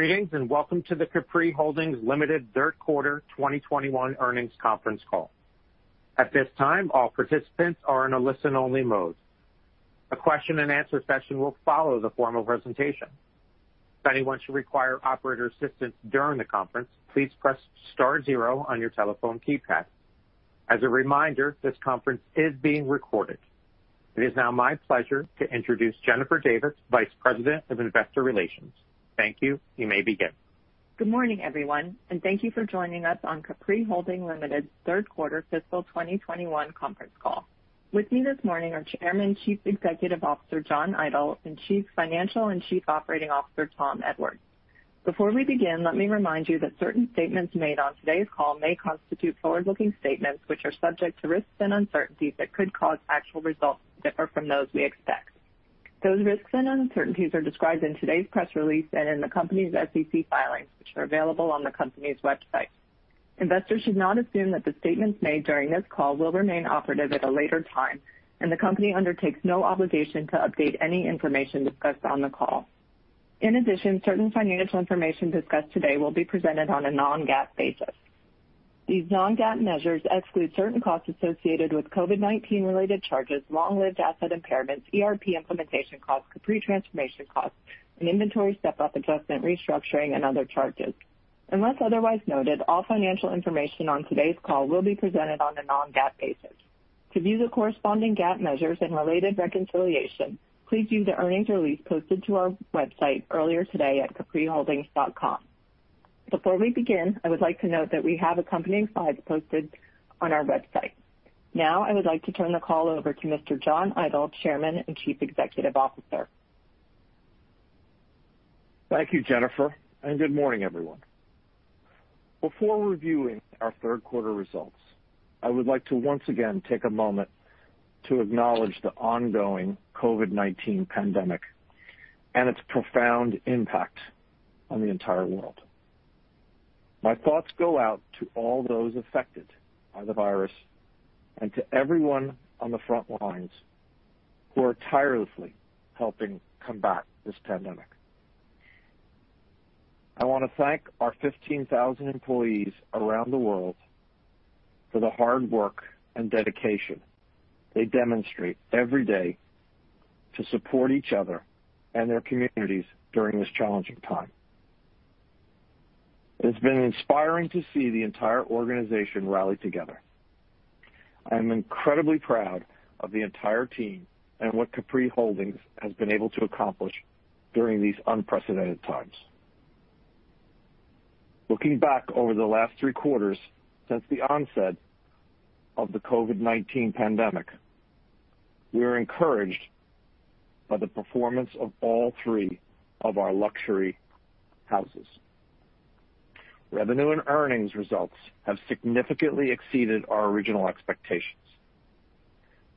Greetings, and welcome to the Capri Holdings Limited Third Quarter 2021 earnings conference call. At this time, all participants are in a listen-only mode. A question and answer session will follow the formal presentation. If anyone should require operator assistance during the conference, please press star zero on your telephone keypad. As a reminder, this conference is being recorded. It is now my pleasure to introduce Jennifer Davis, Vice President of Investor Relations. Thank you. You may begin. Good morning, everyone, and thank you for joining us on Capri Holdings Limited Third Quarter fiscal 2021 conference call. With me this morning are Chairman and Chief Executive Officer, John Idol, and Chief Financial and Chief Operating Officer, Tom Edwards. Before we begin, let me remind you that certain statements made on today's call may constitute forward-looking statements, which are subject to risks and uncertainties that could cause actual results to differ from those we expect. Those risks and uncertainties are described in today's press release and in the company's SEC filings, which are available on the company's website. Investors should not assume that the statements made during this call will remain operative at a later time, and the company undertakes no obligation to update any information discussed on the call. In addition, certain financial information discussed today will be presented on a non-GAAP basis. These non-GAAP measures exclude certain costs associated with COVID-19 related charges, long lived asset impairments, ERP implementation costs, Capri Transformation Costs, and inventory step-up adjustment, restructuring, and other charges. Unless otherwise noted, all financial information on today's call will be presented on a non-GAAP basis. To view the corresponding GAAP measures and related reconciliation, please view the earnings release posted to our website earlier today at capriholdings.com. Before we begin, I would like to note that we have accompanying slides posted on our website. Now, I would like to turn the call over to Mr. John Idol, Chairman and Chief Executive Officer. Thank you, Jennifer, and good morning, everyone. Before reviewing our third quarter results, I would like to once again take a moment to acknowledge the ongoing COVID-19 pandemic and its profound impact on the entire world. My thoughts go out to all those affected by the virus and to everyone on the front lines who are tirelessly helping combat this pandemic. I want to thank our 15,000 employees around the world for the hard work and dedication they demonstrate every day to support each other and their communities during this challenging time. It has been inspiring to see the entire organization rally together. I am incredibly proud of the entire team and what Capri Holdings has been able to accomplish during these unprecedented times. Looking back over the last three quarters since the onset of the COVID-19 pandemic. We are encouraged by the performance of all three of our luxury houses. Revenue and earnings results have significantly exceeded our original expectations.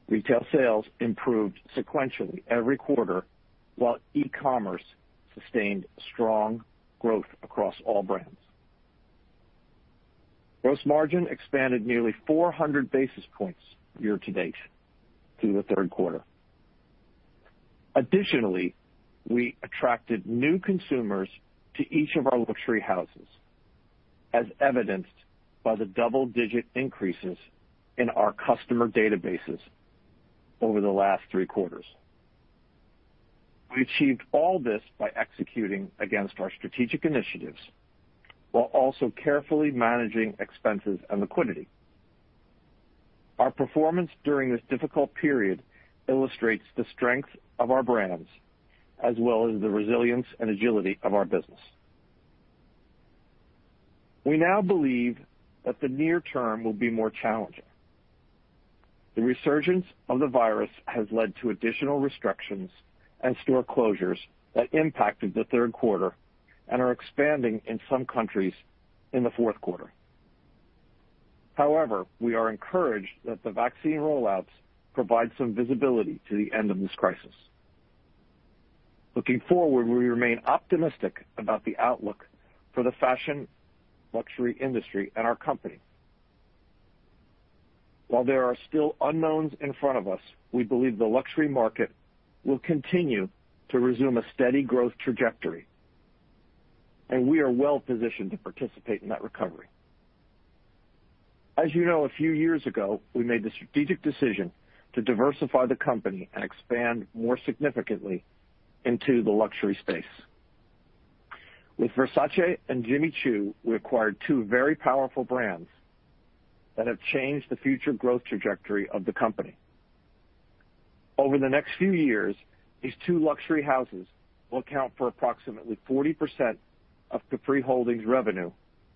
Retail sales improved sequentially every quarter, while e-commerce sustained strong growth across all brands. Gross margin expanded nearly 400 basis points year-to-date through the third quarter. Additionally, we attracted new consumers to each of our luxury houses, as evidenced by the double-digit increases in our customer databases over the last three quarters. We achieved all this by executing against our strategic initiatives while also carefully managing expenses and liquidity. Our performance during this difficult period illustrates the strength of our brands as well as the resilience and agility of our business. We now believe that the near term will be more challenging. The resurgence of the virus has led to additional restrictions and store closures that impacted the third quarter and are expanding in some countries in the fourth quarter. However, we are encouraged that the vaccine rollouts provide some visibility to the end of this crisis. Looking forward, we remain optimistic about the outlook for the fashion luxury industry and our company. While there are still unknowns in front of us, we believe the luxury market will continue to resume a steady growth trajectory, and we are well positioned to participate in that recovery. As you know, a few years ago, we made the strategic decision to diversify the company and expand more significantly into the luxury space. With Versace and Jimmy Choo, we acquired two very powerful brands that have changed the future growth trajectory of the company. Over the next few years, these two luxury houses will account for approximately 40% of Capri Holdings revenue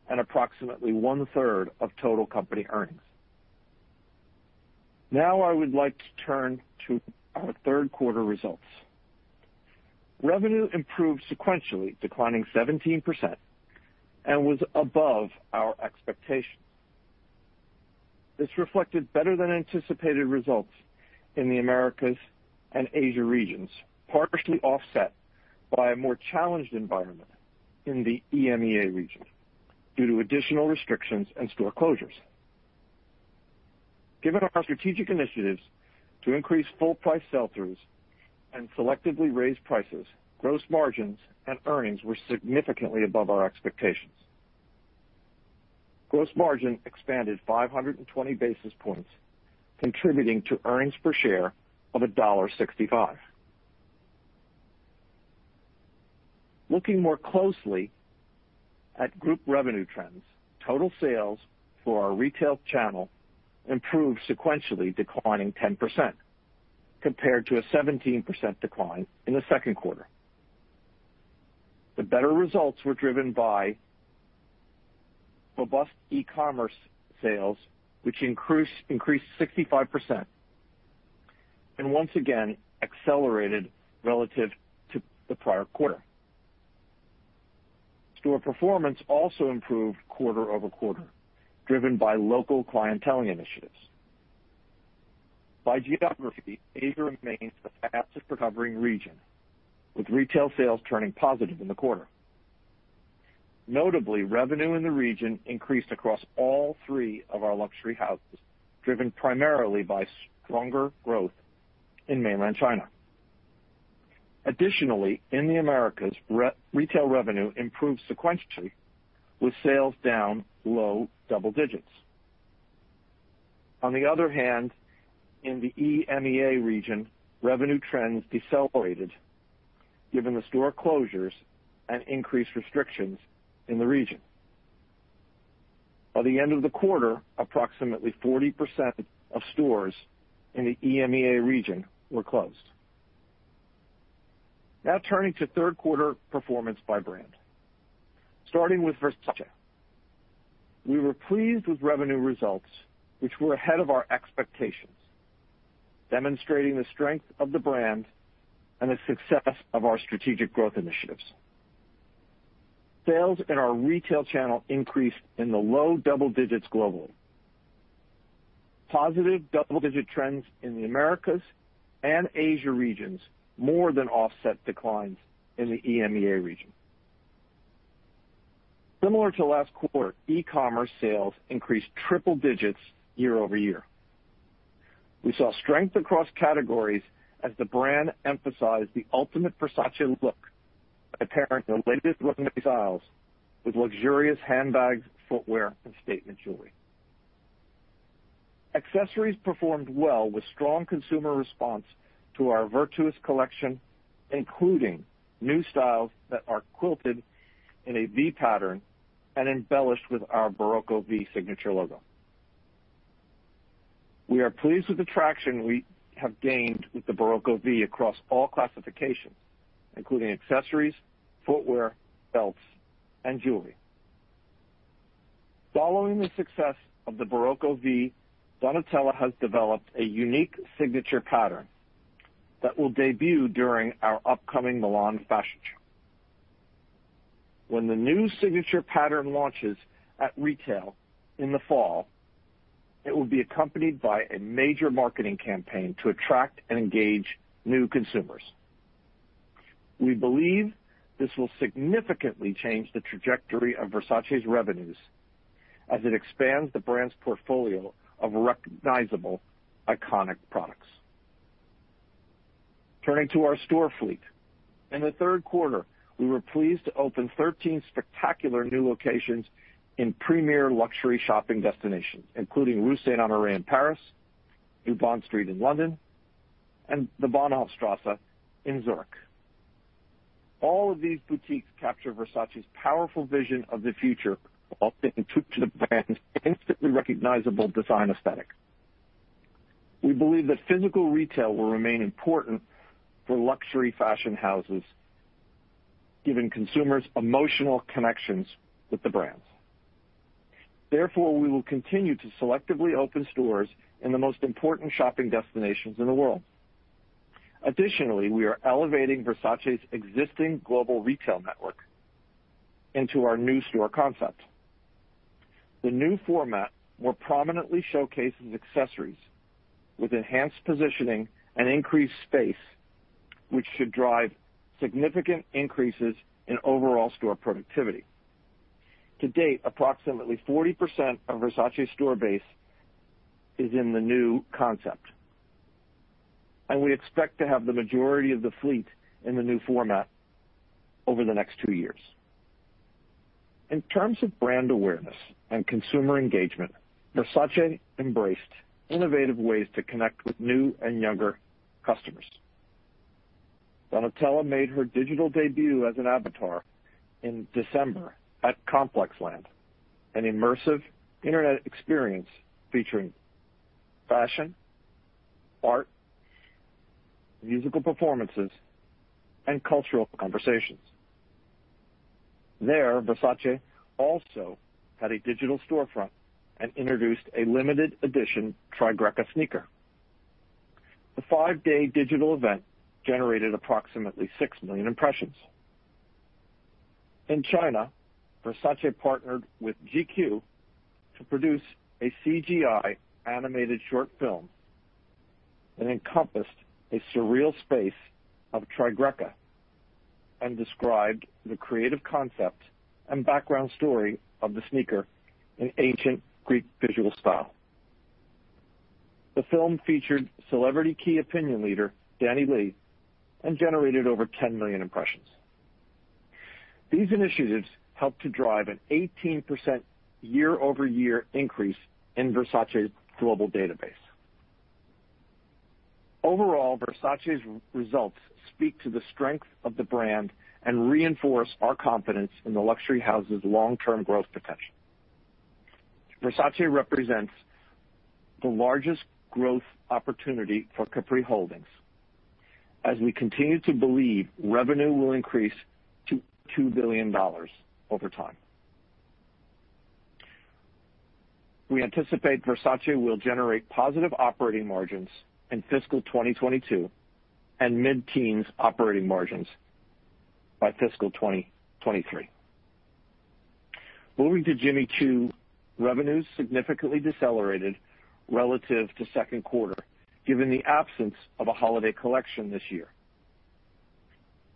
and approximately 1/3 of total company earnings. I would like to turn to our third quarter results. Revenue improved sequentially, declining 17%, and was above our expectations. This reflected better than anticipated results in the Americas and Asia regions, partially offset by a more challenged environment in the EMEA region due to additional restrictions and store closures. Given our strategic initiatives to increase full price sell-throughs and selectively raise prices, gross margins and earnings were significantly above our expectations. Gross margin expanded 520 basis points, contributing to earnings per share of $1.65. Looking more closely at group revenue trends. Total sales for our retail channel improved sequentially, declining 10%, compared to a 17% decline in the second quarter. The better results were driven by robust e-commerce sales, which increased 65%, and once again accelerated relative to the prior quarter. Store performance also improved quarter-over-quarter, driven by local clienteling initiatives. By geography, Asia remains the fastest recovering region, with retail sales turning positive in the quarter. Notably, revenue in the region increased across all three of our luxury houses, driven primarily by stronger growth in Mainland China. Additionally, in the Americas, retail revenue improved sequentially, with sales down low-double digits. On the other hand, in the EMEA region, revenue trends decelerated given the store closures and increased restrictions in the region. By the end of the quarter, approximately 40% of stores in the EMEA region were closed. Now turning to third quarter performance by brand, starting with Versace. We were pleased with revenue results, which were ahead of our expectations, demonstrating the strength of the brand and the success of our strategic growth initiatives. Sales in our retail channel increased in the low-double digits globally. Positive double digit trends in the Americas and Asia regions more than offset declines in the EMEA region. Similar to last quarter, e-commerce sales increased triple digits year-over-year. We saw strength across categories as the brand emphasized the ultimate Versace look by pairing the latest styles with luxurious handbags, footwear, and statement jewelry. Accessories performed well with strong consumer response to our Virtus collection, including new styles that are quilted in a V-pattern and embellished with our Barocco V signature logo. We are pleased with the traction we have gained with the Barocco V across all classifications, including accessories, footwear, belts, and jewelry. Following the success of the Barocco V, Donatella has developed a unique signature pattern that will debut during our upcoming Milan Fashion Show. When the new signature pattern launches at retail in the fall, it will be accompanied by a major marketing campaign to attract and engage new consumers. We believe this will significantly change the trajectory of Versace's revenues as it expands the brand's portfolio of recognizable, iconic products. Turning to our store fleet. In the third quarter, we were pleased to open 13 spectacular new locations in premier luxury shopping destinations, including Rue Saint-Honoré in Paris, New Bond Street in London, and the Bahnhofstrasse in Zurich. All these boutiques capture Versace's powerful vision of the future while staying true to the brand's instantly recognizable design aesthetic. We believe that physical retail will remain important for luxury fashion houses, giving consumers emotional connections with the brands. Therefore, we will continue to selectively open stores in the most important shopping destinations in the world. We are elevating Versace's existing global retail network into our new store concept. The new format more prominently showcases accessories with enhanced positioning and increased space, which should drive significant increases in overall store productivity. To-date, approximately 40% of Versace store base is in the new concept. We expect to have the majority of the fleet in the new format over the next two years. In terms of brand awareness and consumer engagement, Versace embraced innovative ways to connect with new and younger customers. Donatella made her digital debut as an avatar in December at ComplexLand, an immersive internet experience featuring fashion, art, musical performances, and cultural conversations. There, Versace also had a digital storefront and introduced a limited edition Trigreca sneaker. The five-day digital event generated approximately six million impressions. In China, Versace partnered with GQ to produce a CGI animated short film that encompassed a surreal space of Trigreca and described the creative concept and background story of the sneaker in ancient Greek visual style. The film featured celebrity key opinion leader Danny Lee and generated over 10 million impressions. These initiatives helped to drive an 18% year-over-year increase in Versace's global database. Overall, Versace's results speak to the strength of the brand and reinforce our confidence in the luxury house's long-term growth potential. Versace represents the largest growth opportunity for Capri Holdings, as we continue to believe revenue will increase to $2 billion over time. We anticipate Versace will generate positive operating margins in FY 2022 and mid-teens operating margins by FY 2023. Moving to Jimmy Choo. Revenues significantly decelerated relative to second quarter, given the absence of a holiday collection this year.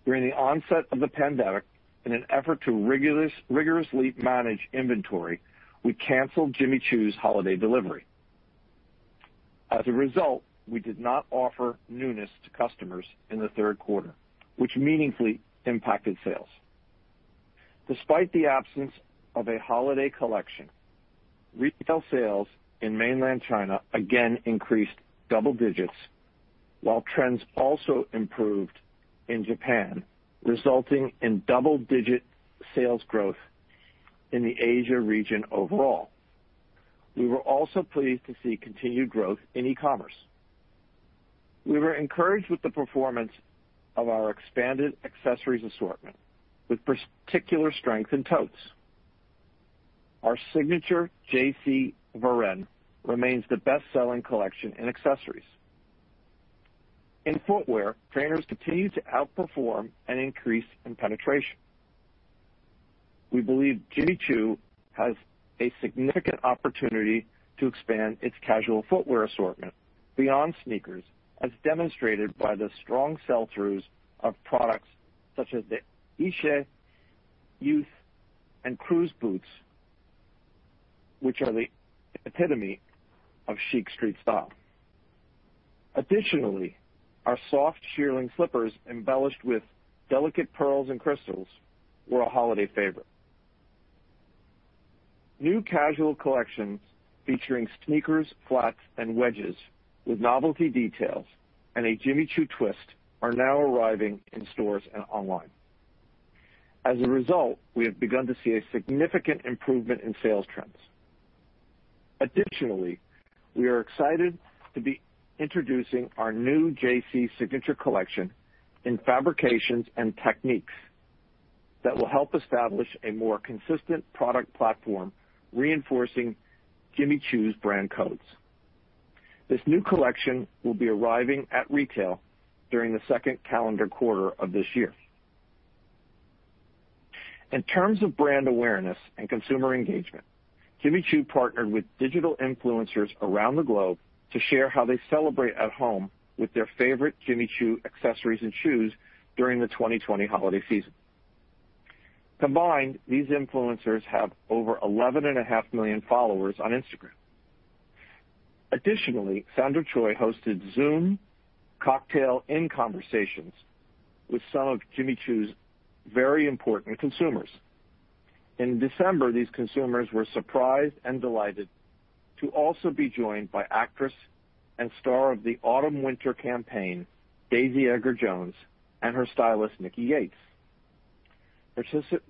During the onset of the pandemic, in an effort to rigorously manage inventory, we canceled Jimmy Choo's holiday delivery. As a result, we did not offer newness to customers in the third quarter, which meaningfully impacted sales. Despite the absence of a holiday collection, retail sales in Mainland China again increased double digits, while trends also improved in Japan, resulting in double digit sales growth in the Asia region overall. We were also pleased to see continued growth in e-commerce. We were encouraged with the performance of our expanded accessories assortment with particular strength in totes. Our signature JC VARENNE remains the best-selling collection in accessories. In footwear, trainers continue to outperform and increase in penetration. We believe Jimmy Choo has a significant opportunity to expand its casual footwear assortment beyond sneakers, as demonstrated by the strong sell-throughs of products such as the Eshe, Youth, and CRUZ boots, which are the epitome of chic street style. Additionally, our soft shearling slippers, embellished with delicate pearls and crystals, were a holiday favorite. New casual collections featuring sneakers, flats, and wedges with novelty details and a Jimmy Choo twist are now arriving in stores and online. As a result, we have begun to see a significant improvement in sales trends. Additionally, we are excited to be introducing our new JC signature collection in fabrications and techniques that will help establish a more consistent product platform, reinforcing Jimmy Choo's brand codes. This new collection will be arriving at retail during the second calendar quarter of this year. In terms of brand awareness and consumer engagement, Jimmy Choo partnered with digital influencers around the globe to share how they celebrate at home with their favorite Jimmy Choo accessories and shoes during the 2020 holiday season. Combined, these influencers have over 11.5 million followers on Instagram. Additionally, Sandra Choi hosted Zoom Cocktails & Conversations with some of Jimmy Choo's very important consumers. In December, these consumers were surprised and delighted to also be joined by actress and star of the autumn/winter campaign, Daisy Edgar-Jones, and her stylist, Nicky Yates.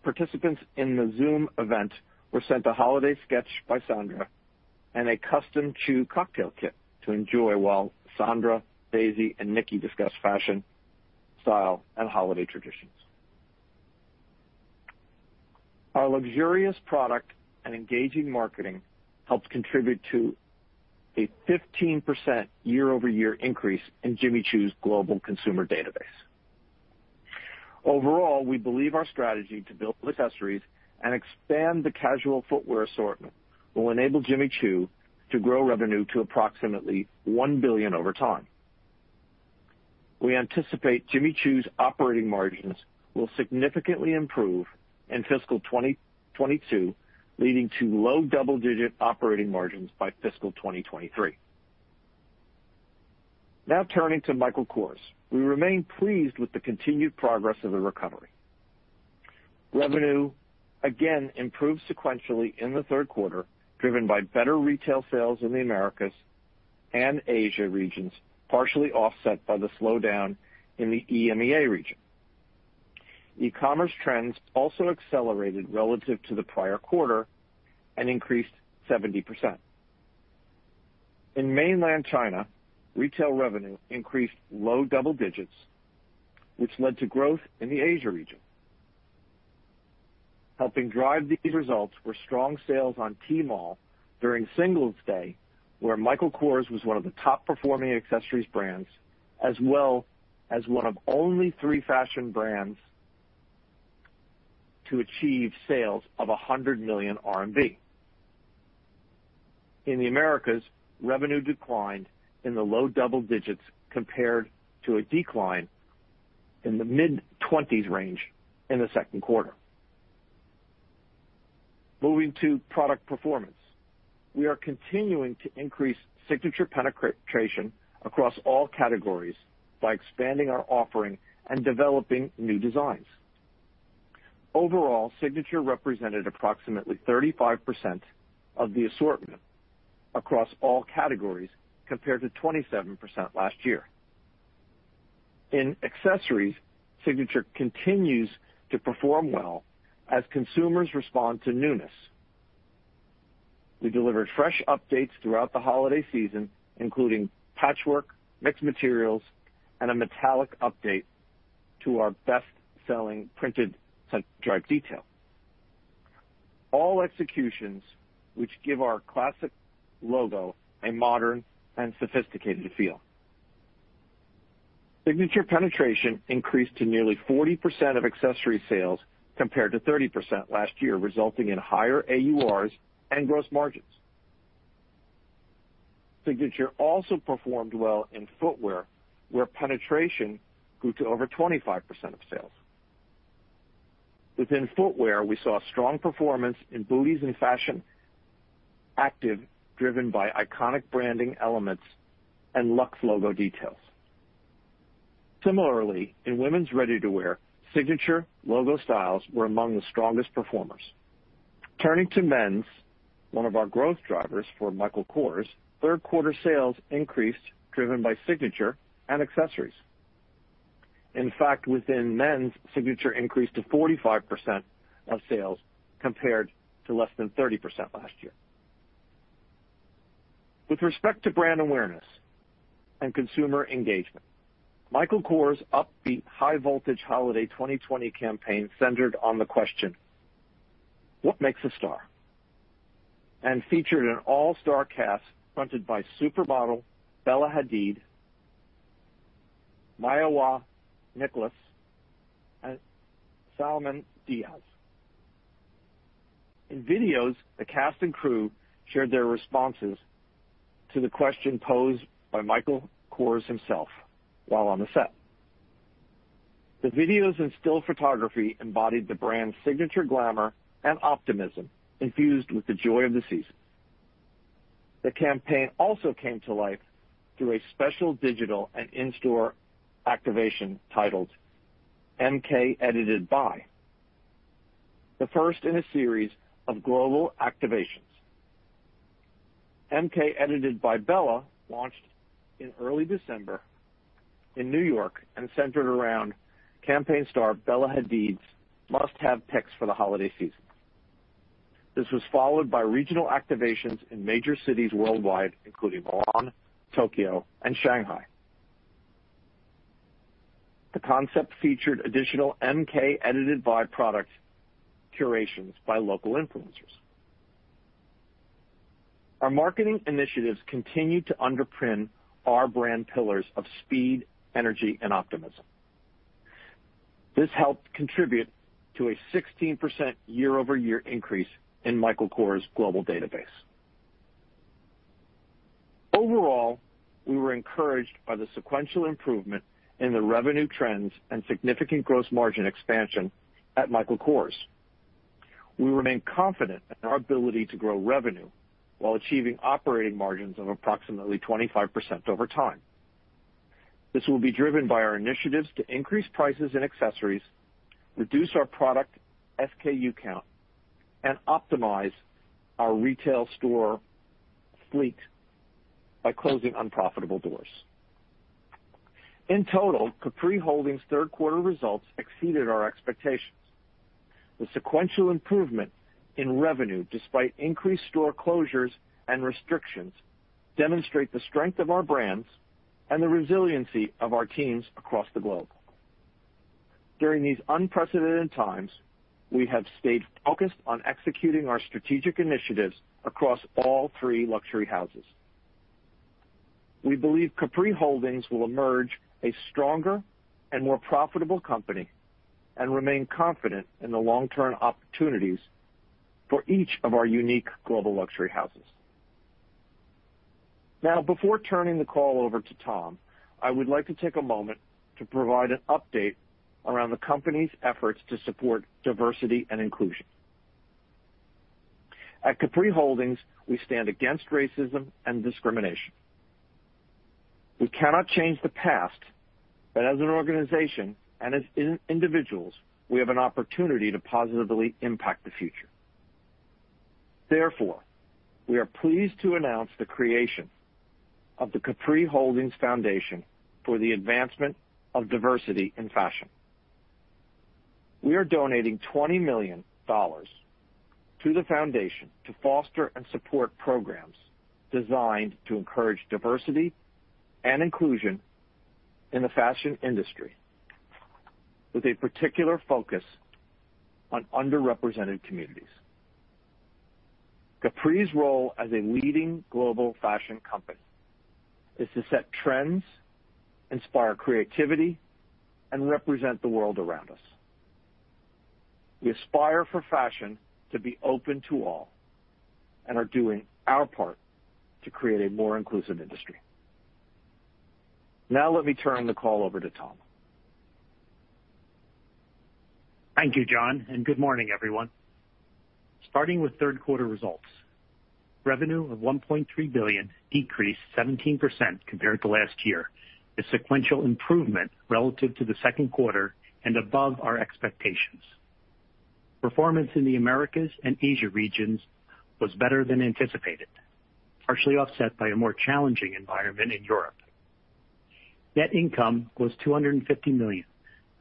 Participants in the Zoom event were sent a holiday sketch by Sandra and a custom Choo cocktail kit to enjoy while Sandra, Daisy, and Nicky discussed fashion, style, and holiday traditions. Our luxurious product and engaging marketing helped contribute to a 15% year-over-year increase in Jimmy Choo's global consumer database. Overall, we believe our strategy to build accessories and expand the casual footwear assortment will enable Jimmy Choo to grow revenue to approximately $1 billion over time. We anticipate Jimmy Choo's operating margins will significantly improve in fiscal 2022, leading to low-double digit operating margins by fiscal 2023. Now turning to Michael Kors. We remain pleased with the continued progress of the recovery. Revenue again improved sequentially in the third quarter, driven by better retail sales in the Americas and Asia regions, partially offset by the slowdown in the EMEA region. E-commerce trends also accelerated relative to the prior quarter and increased 70%. In Mainland China, retail revenue increased low-double digits, which led to growth in the Asia region. Helping drive these results were strong sales on Tmall during Singles' Day, where Michael Kors was one of the top-performing accessories brands. As well as one of only three fashion brands to achieve sales of 100 million RMB. In the Americas, revenue declined in the low-double digits compared to a decline in the mid-20s range in the second quarter. Moving to product performance. We are continuing to increase signature penetration across all categories by expanding our offering and developing new designs. Overall, signature represented approximately 35% of the assortment across all categories, compared to 27% last year. In accessories, signature continues to perform well as consumers respond to newness. We delivered fresh updates throughout the holiday season, including patchwork, mixed materials, and a metallic update to our best-selling printed stripe detail. All executions which give our classic logo a modern and sophisticated feel. Signature penetration increased to nearly 40% of accessory sales, compared to 30% last year, resulting in higher AURs and gross margins. Signature also performed well in footwear, where penetration grew to over 25% of sales. Within footwear, we saw strong performance in booties and fashion, active, driven by iconic branding elements and luxe logo details. Similarly, in women's ready-to-wear, signature logo styles were among the strongest performers. Turning to men's, one of our growth drivers for Michael Kors, third quarter sales increased, driven by signature and accessories. In fact, within men's, signature increased to 45% of sales compared to less than 30% last year. With respect to brand awareness and consumer engagement, Michael Kors' upbeat high-voltage holiday 2020 campaign centered on the question, what makes a star? Featured an all-star cast fronted by supermodel Bella Hadid, Mayowa Nicholas, and Salomon Diaz. In videos, the cast and crew shared their responses to the question posed by Michael Kors himself while on the set. The videos and still photography embodied the brand's signature glamour and optimism infused with the joy of the season. The campaign also came to life through a special digital and in-store activation titled MK Edited By. The first in a series of global activations. MK Edited By Bella launched in early December in New York and centered around campaign star Bella Hadid's must-have picks for the holiday season. This was followed by regional activations in major cities worldwide, including Milan, Tokyo, and Shanghai. The concept featured additional MK Edited By product curations by local influencers. Our marketing initiatives continue to underpin our brand pillars of speed, energy, and optimism. This helped contribute to a 16% year-over-year increase in Michael Kors' global database. Overall, we were encouraged by the sequential improvement in the revenue trends and significant gross margin expansion at Michael Kors. We remain confident in our ability to grow revenue while achieving operating margins of approximately 25% over time. This will be driven by our initiatives to increase prices in accessories, reduce our product SKU count, and optimize our retail store fleet by closing unprofitable doors. In total, Capri Holdings' third quarter results exceeded our expectations. The sequential improvement in revenue, despite increased store closures and restrictions, demonstrate the strength of our brands and the resiliency of our teams across the globe. During these unprecedented times, we have stayed focused on executing our strategic initiatives across all three luxury houses. We believe Capri Holdings will emerge a stronger and more profitable company and remain confident in the long-term opportunities for each of our unique global luxury houses. Before turning the call over to Tom, I would like to take a moment to provide an update around the company's efforts to support diversity and inclusion. At Capri Holdings, we stand against racism and discrimination. We cannot change the past, but as an organization and as individuals, we have an opportunity to positively impact the future. Therefore, we are pleased to announce the creation of the Capri Holdings Foundation for the Advancement of Diversity in Fashion. We are donating $20 million to the foundation to foster and support programs designed to encourage diversity and inclusion in the fashion industry, with a particular focus on underrepresented communities. Capri's role as a leading global fashion company is to set trends, inspire creativity, and represent the world around us. We aspire for fashion to be open to all and are doing our part to create a more inclusive industry. Now let me turn the call over to Tom. Thank you, John, and good morning, everyone. Starting with third quarter results. Revenue of $1.3 billion decreased 17% compared to last year, a sequential improvement relative to the second quarter and above our expectations. Performance in the Americas and Asia regions was better than anticipated, partially offset by a more challenging environment in Europe. Net income was $250 million,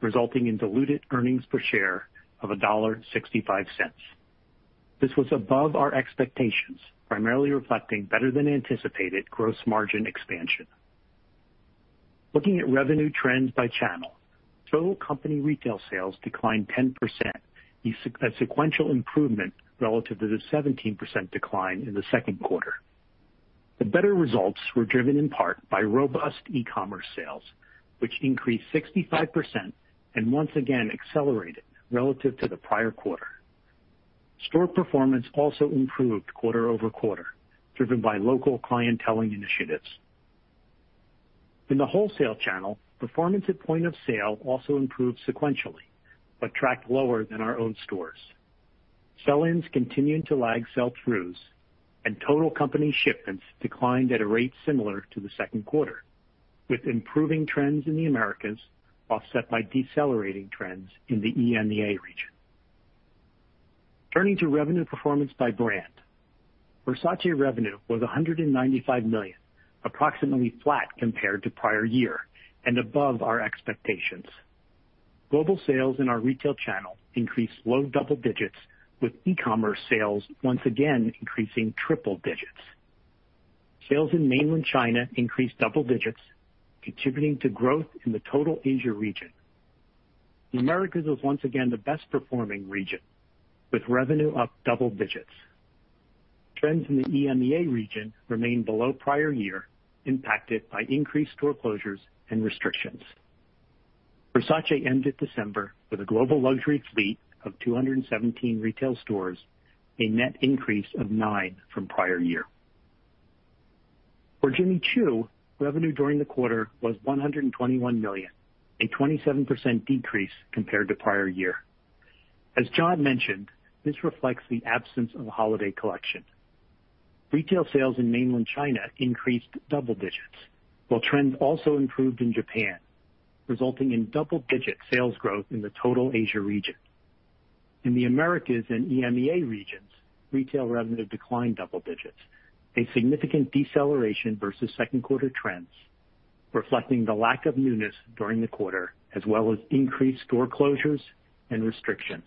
resulting in diluted earnings per share of $1.65. This was above our expectations, primarily reflecting better than anticipated gross margin expansion. Looking at revenue trends by channel, total company retail sales declined 10%, a sequential improvement relative to the 17% decline in the second quarter. The better results were driven in part by robust e-commerce sales, which increased 65% and once again accelerated relative to the prior quarter. Store performance also improved quarter-over-quarter, driven by local clienteling initiatives. In the wholesale channel, performance at point-of-sale also improved sequentially, but tracked lower than our own stores. Sell-ins continued to lag sell-throughs, and total company shipments declined at a rate similar to the second quarter, with improving trends in the Americas offset by decelerating trends in the EMEA region. Turning to revenue performance by brand. Versace revenue was $195 million, approximately flat compared to prior year and above our expectations. Global sales in our retail channel increased low-double digits, with e-commerce sales once again increasing triple digits. Sales in Mainland China increased double digits, contributing to growth in the total Asia region. The Americas was once again the best performing region, with revenue up double digits. Trends in the EMEA region remained below prior year, impacted by increased store closures and restrictions. Versace ended December with a global luxury fleet of 217 retail stores, a net increase of nine from prior year. For Jimmy Choo, revenue during the quarter was $121 million, a 27% decrease compared to prior year. As John mentioned, this reflects the absence of a holiday collection. Retail sales in Mainland China increased double digits, while trends also improved in Japan, resulting in double digit sales growth in the total Asia region. In the Americas and EMEA regions, retail revenue declined double digits, a significant deceleration versus second quarter trends, reflecting the lack of newness during the quarter, as well as increased store closures and restrictions.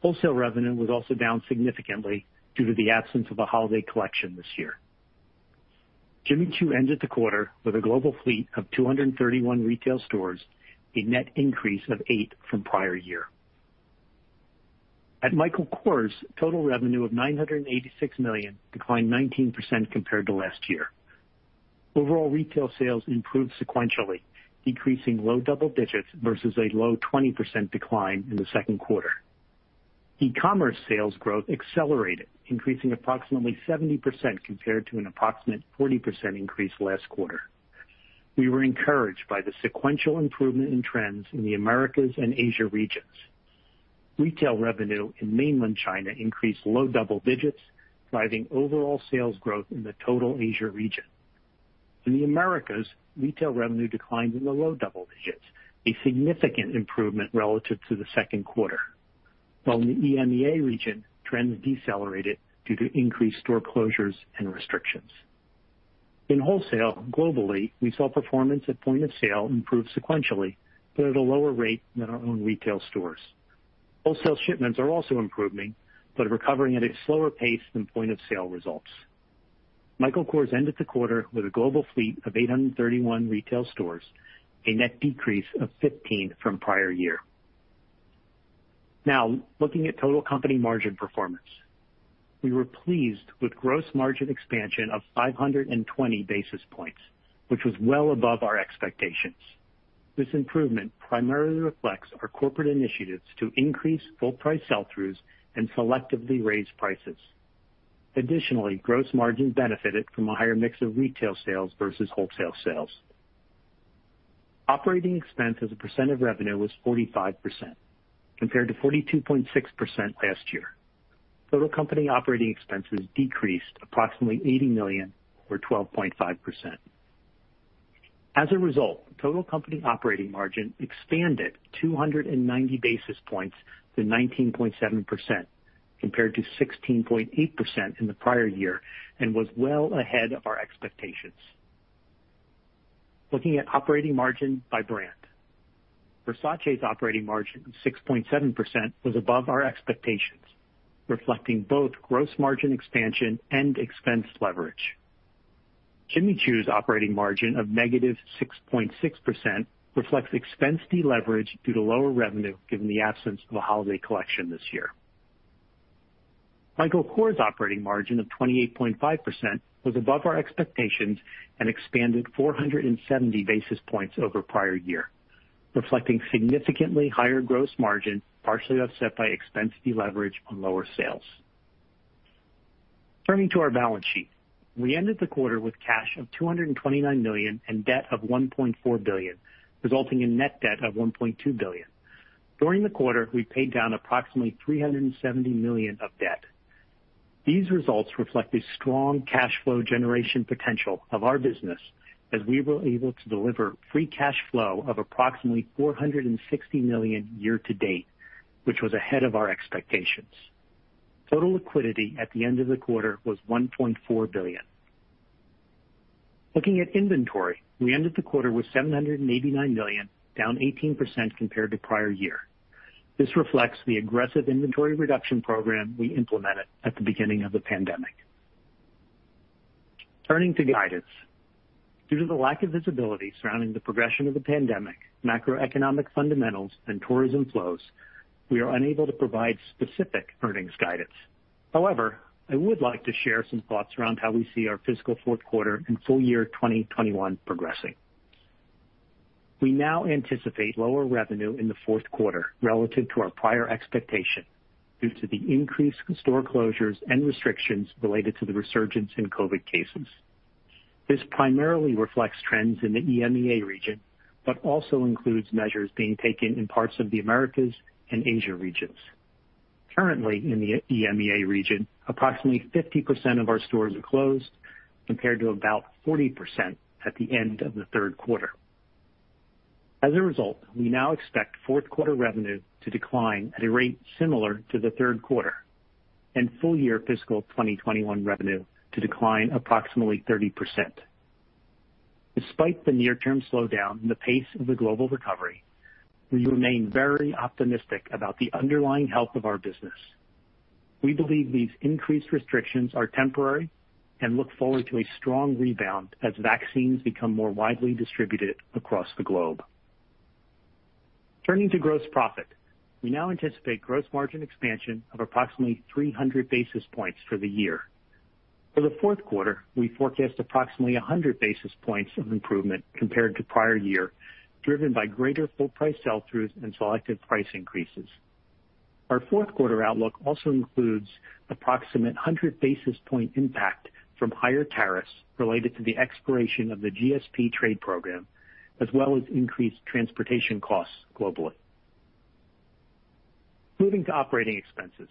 Wholesale revenue was also down significantly due to the absence of a holiday collection this year. Jimmy Choo ended the quarter with a global fleet of 231 retail stores, a net increase of eight from prior year. At Michael Kors, total revenue of $986 million declined 19% compared to last year. Overall retail sales improved sequentially, decreasing low-double digits versus a low 20% decline in the second quarter. E-commerce sales growth accelerated, increasing approximately 70% compared to an approximate 40% increase last quarter. We were encouraged by the sequential improvement in trends in the Americas and Asia regions. Retail revenue in Mainland China increased low double digits, driving overall sales growth in the total Asia region. In the Americas, retail revenue declined in the low-double digits, a significant improvement relative to the second quarter. While in the EMEA region, trends decelerated due to increased store closures and restrictions. In wholesale globally, we saw performance at point-of-sale improve sequentially, at a lower rate than our own retail stores. Wholesale shipments are also improving, recovering at a slower pace than point-of-sale results. Michael Kors ended the quarter with a global fleet of 831 retail stores, a net decrease of 15 from prior year. Looking at total company margin performance. We were pleased with gross margin expansion of 520 basis points, which was well above our expectations. This improvement primarily reflects our corporate initiatives to increase full price sell-throughs and selectively raise prices. Additionally, gross margin benefited from a higher mix of retail sales versus wholesale sales. Operating expense as a percent of revenue was 45%, compared to 42.6% last year. Total company operating expenses decreased approximately $80 million, or 12.5%. Total company operating margin expanded 290 basis points to 19.7%, compared to 16.8% in the prior year and was well ahead of our expectations. Looking at operating margin by brand. Versace's operating margin of 6.7% was above our expectations, reflecting both gross margin expansion and expense leverage. Jimmy Choo's operating margin of -6.6% reflects expense deleverage due to lower revenue given the absence of a holiday collection this year. Michael Kors' operating margin of 28.5% was above our expectations and expanded 470 basis points over prior year, reflecting significantly higher gross margin, partially offset by expense deleverage on lower sales. Turning to our balance sheet, we ended the quarter with cash of $229 million and debt of $1.4 billion, resulting in net debt of $1.2 billion. During the quarter, we paid down approximately $370 million of debt. These results reflect the strong cash flow generation potential of our business as we were able to deliver free cash flow of approximately $460 million year-to-date, which was ahead of our expectations. Total liquidity at the end of the quarter was $1.4 billion. Looking at inventory, we ended the quarter with $789 million, down 18% compared to prior year. This reflects the aggressive inventory reduction program we implemented at the beginning of the pandemic. Turning to guidance. Due to the lack of visibility surrounding the progression of the pandemic, macroeconomic fundamentals, and tourism flows, we are unable to provide specific earnings guidance. However, I would like to share some thoughts around how we see our fiscal fourth quarter and full year 2021 progressing. We now anticipate lower revenue in the fourth quarter relative to our prior expectation due to the increased store closures and restrictions related to the resurgence in COVID-19 cases. This primarily reflects trends in the EMEA region, but also includes measures being taken in parts of the Americas and Asia regions. Currently in the EMEA region, approximately 50% of our stores are closed, compared to about 40% at the end of the third quarter. As a result, we now expect fourth quarter revenue to decline at a rate similar to the third quarter and full year fiscal 2021 revenue to decline approximately 30%. Despite the near-term slowdown in the pace of the global recovery, we remain very optimistic about the underlying health of our business. We believe these increased restrictions are temporary and look forward to a strong rebound as vaccines become more widely distributed across the globe. Turning to gross profit. We now anticipate gross margin expansion of approximately 300 basis points for the year. For the fourth quarter, we forecast approximately 100 basis points of improvement compared to prior year, driven by greater full price sell-throughs and selective price increases. Our fourth quarter outlook also includes approximate 100 basis point impact from higher tariffs related to the expiration of the GSP trade program, as well as increased transportation costs globally. Moving to operating expenses.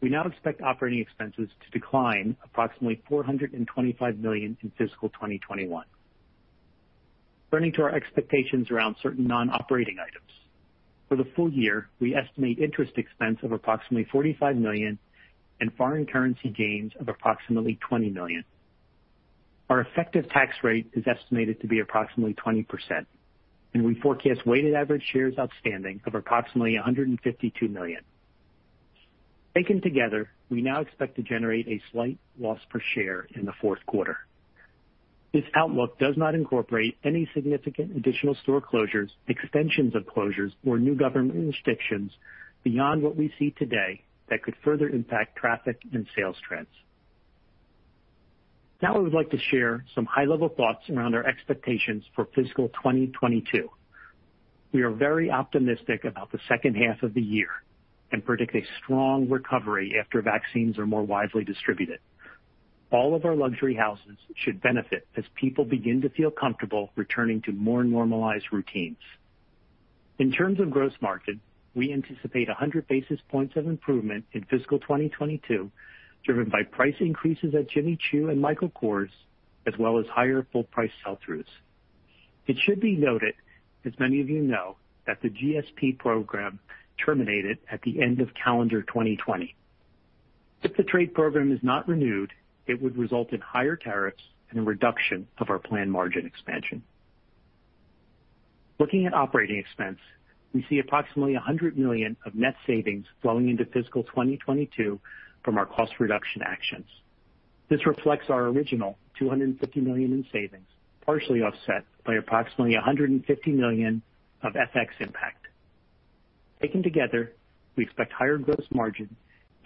We now expect operating expenses to decline approximately $425 million in fiscal 2021. Turning to our expectations around certain non-operating items. For the full year, we estimate interest expense of approximately $45 million and foreign currency gains of approximately $20 million. Our effective tax rate is estimated to be approximately 20%, and we forecast weighted average shares outstanding of approximately 152 million. Taken together, we now expect to generate a slight loss per share in the fourth quarter. This outlook does not incorporate any significant additional store closures, extensions of closures, or new government restrictions beyond what we see today that could further impact traffic and sales trends. Now I would like to share some high-level thoughts around our expectations for fiscal 2022. We are very optimistic about the second half of the year and predict a strong recovery after vaccines are more widely distributed. All of our luxury houses should benefit as people begin to feel comfortable returning to more normalized routines. In terms of gross margin, we anticipate 100 basis points of improvement in fiscal 2022, driven by price increases at Jimmy Choo and Michael Kors, as well as higher full price sell-throughs. It should be noted, as many of you know, that the GSP program terminated at the end of calendar 2020. If the trade program is not renewed, it would result in higher tariffs and a reduction of our planned margin expansion. Looking at operating expense, we see approximately $100 million of net savings flowing into fiscal 2022 from our cost reduction actions. This reflects our original $250 million in savings, partially offset by approximately $150 million of FX impact. Taken together, we expect higher gross margin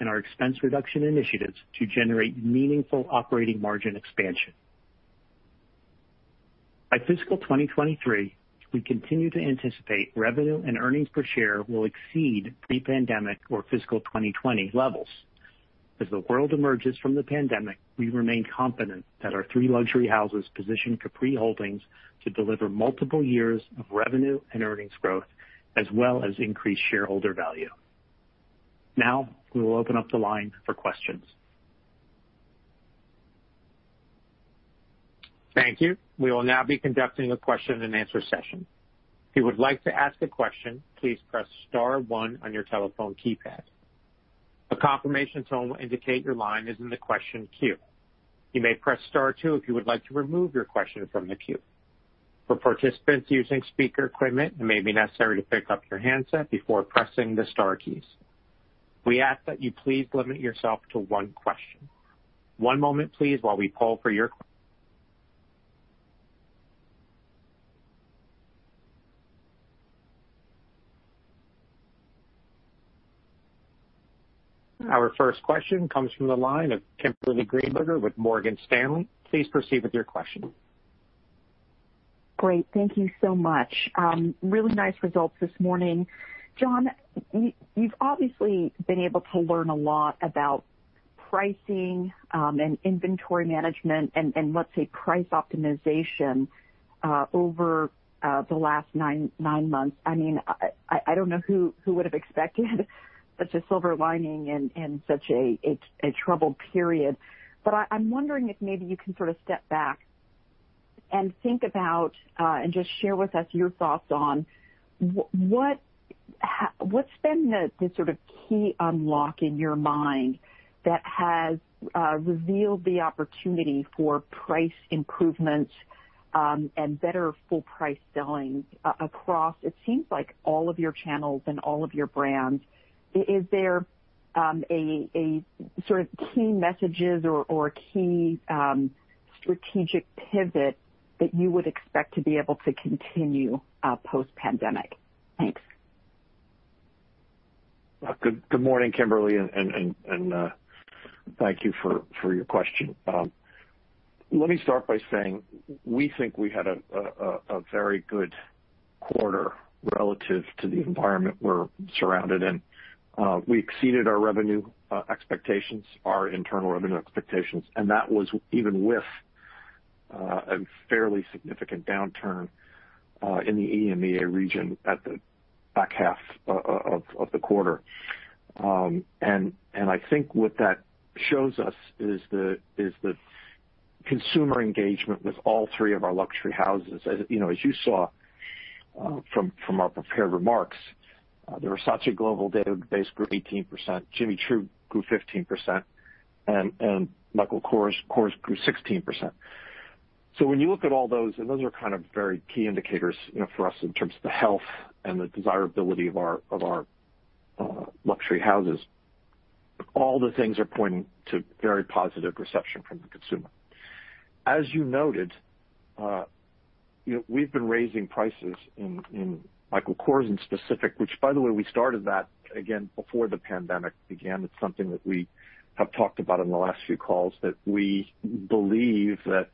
and our expense reduction initiatives to generate meaningful operating margin expansion. By fiscal 2023, we continue to anticipate revenue and earnings per share will exceed pre-pandemic or fiscal 2020 levels. As the world emerges from the pandemic, we remain confident that our three luxury houses position Capri Holdings to deliver multiple years of revenue and earnings growth, as well as increase shareholder value. Now, we will open up the line for questions. Thank you. We will now be conducting a question and answer session. If you would like to ask a question, please press star one on your telephone keypad. A confirmation tone will indicate your line is in the question queue. You may press star two if you would like to remove your question from the queue. For participants using speaker equipment, it may be necessary to pick up your handset before pressing the star keys. We ask that you please limit yourself to one question. One moment, please, while we poll for your questions. Our first question comes from the line of Kimberly Greenberger with Morgan Stanley. Please proceed with your question. Great. Thank you so much. Really nice results this morning. John, you've obviously been able to learn a lot about pricing and inventory management and, let's say, price optimization over the last nine months. I don't know who would have expected such a silver lining in such a troubled period. I'm wondering if maybe you can step back and think about, and just share with us your thoughts on what's been the key unlock in your mind that has revealed the opportunity for price improvements, and better full price selling across, it seems like all of your channels and all of your brands. Is there a key message or key strategic pivot that you would expect to be able to continue post-pandemic? Thanks. Good morning, Kimberly, and thank you for your question. Let me start by saying, we think we had a very good quarter relative to the environment we're surrounded in. We exceeded our revenue expectations, our internal revenue expectations, and that was even with a fairly significant downturn, in the EMEA region at the back half of the quarter. I think what that shows us is the consumer engagement with all three of our luxury houses. As you saw from our prepared remarks, the Versace global database grew 18%, Jimmy Choo grew 15%, and Michael Kors grew 16%. When you look at all those, and those are very key indicators for us in terms of the health and the desirability of our luxury houses. All the things are pointing to very positive reception from the consumer. As you noted, we've been raising prices in Michael Kors in specific, which, by the way, we started that again before the pandemic began. It's something that we have talked about in the last few calls, that we believe that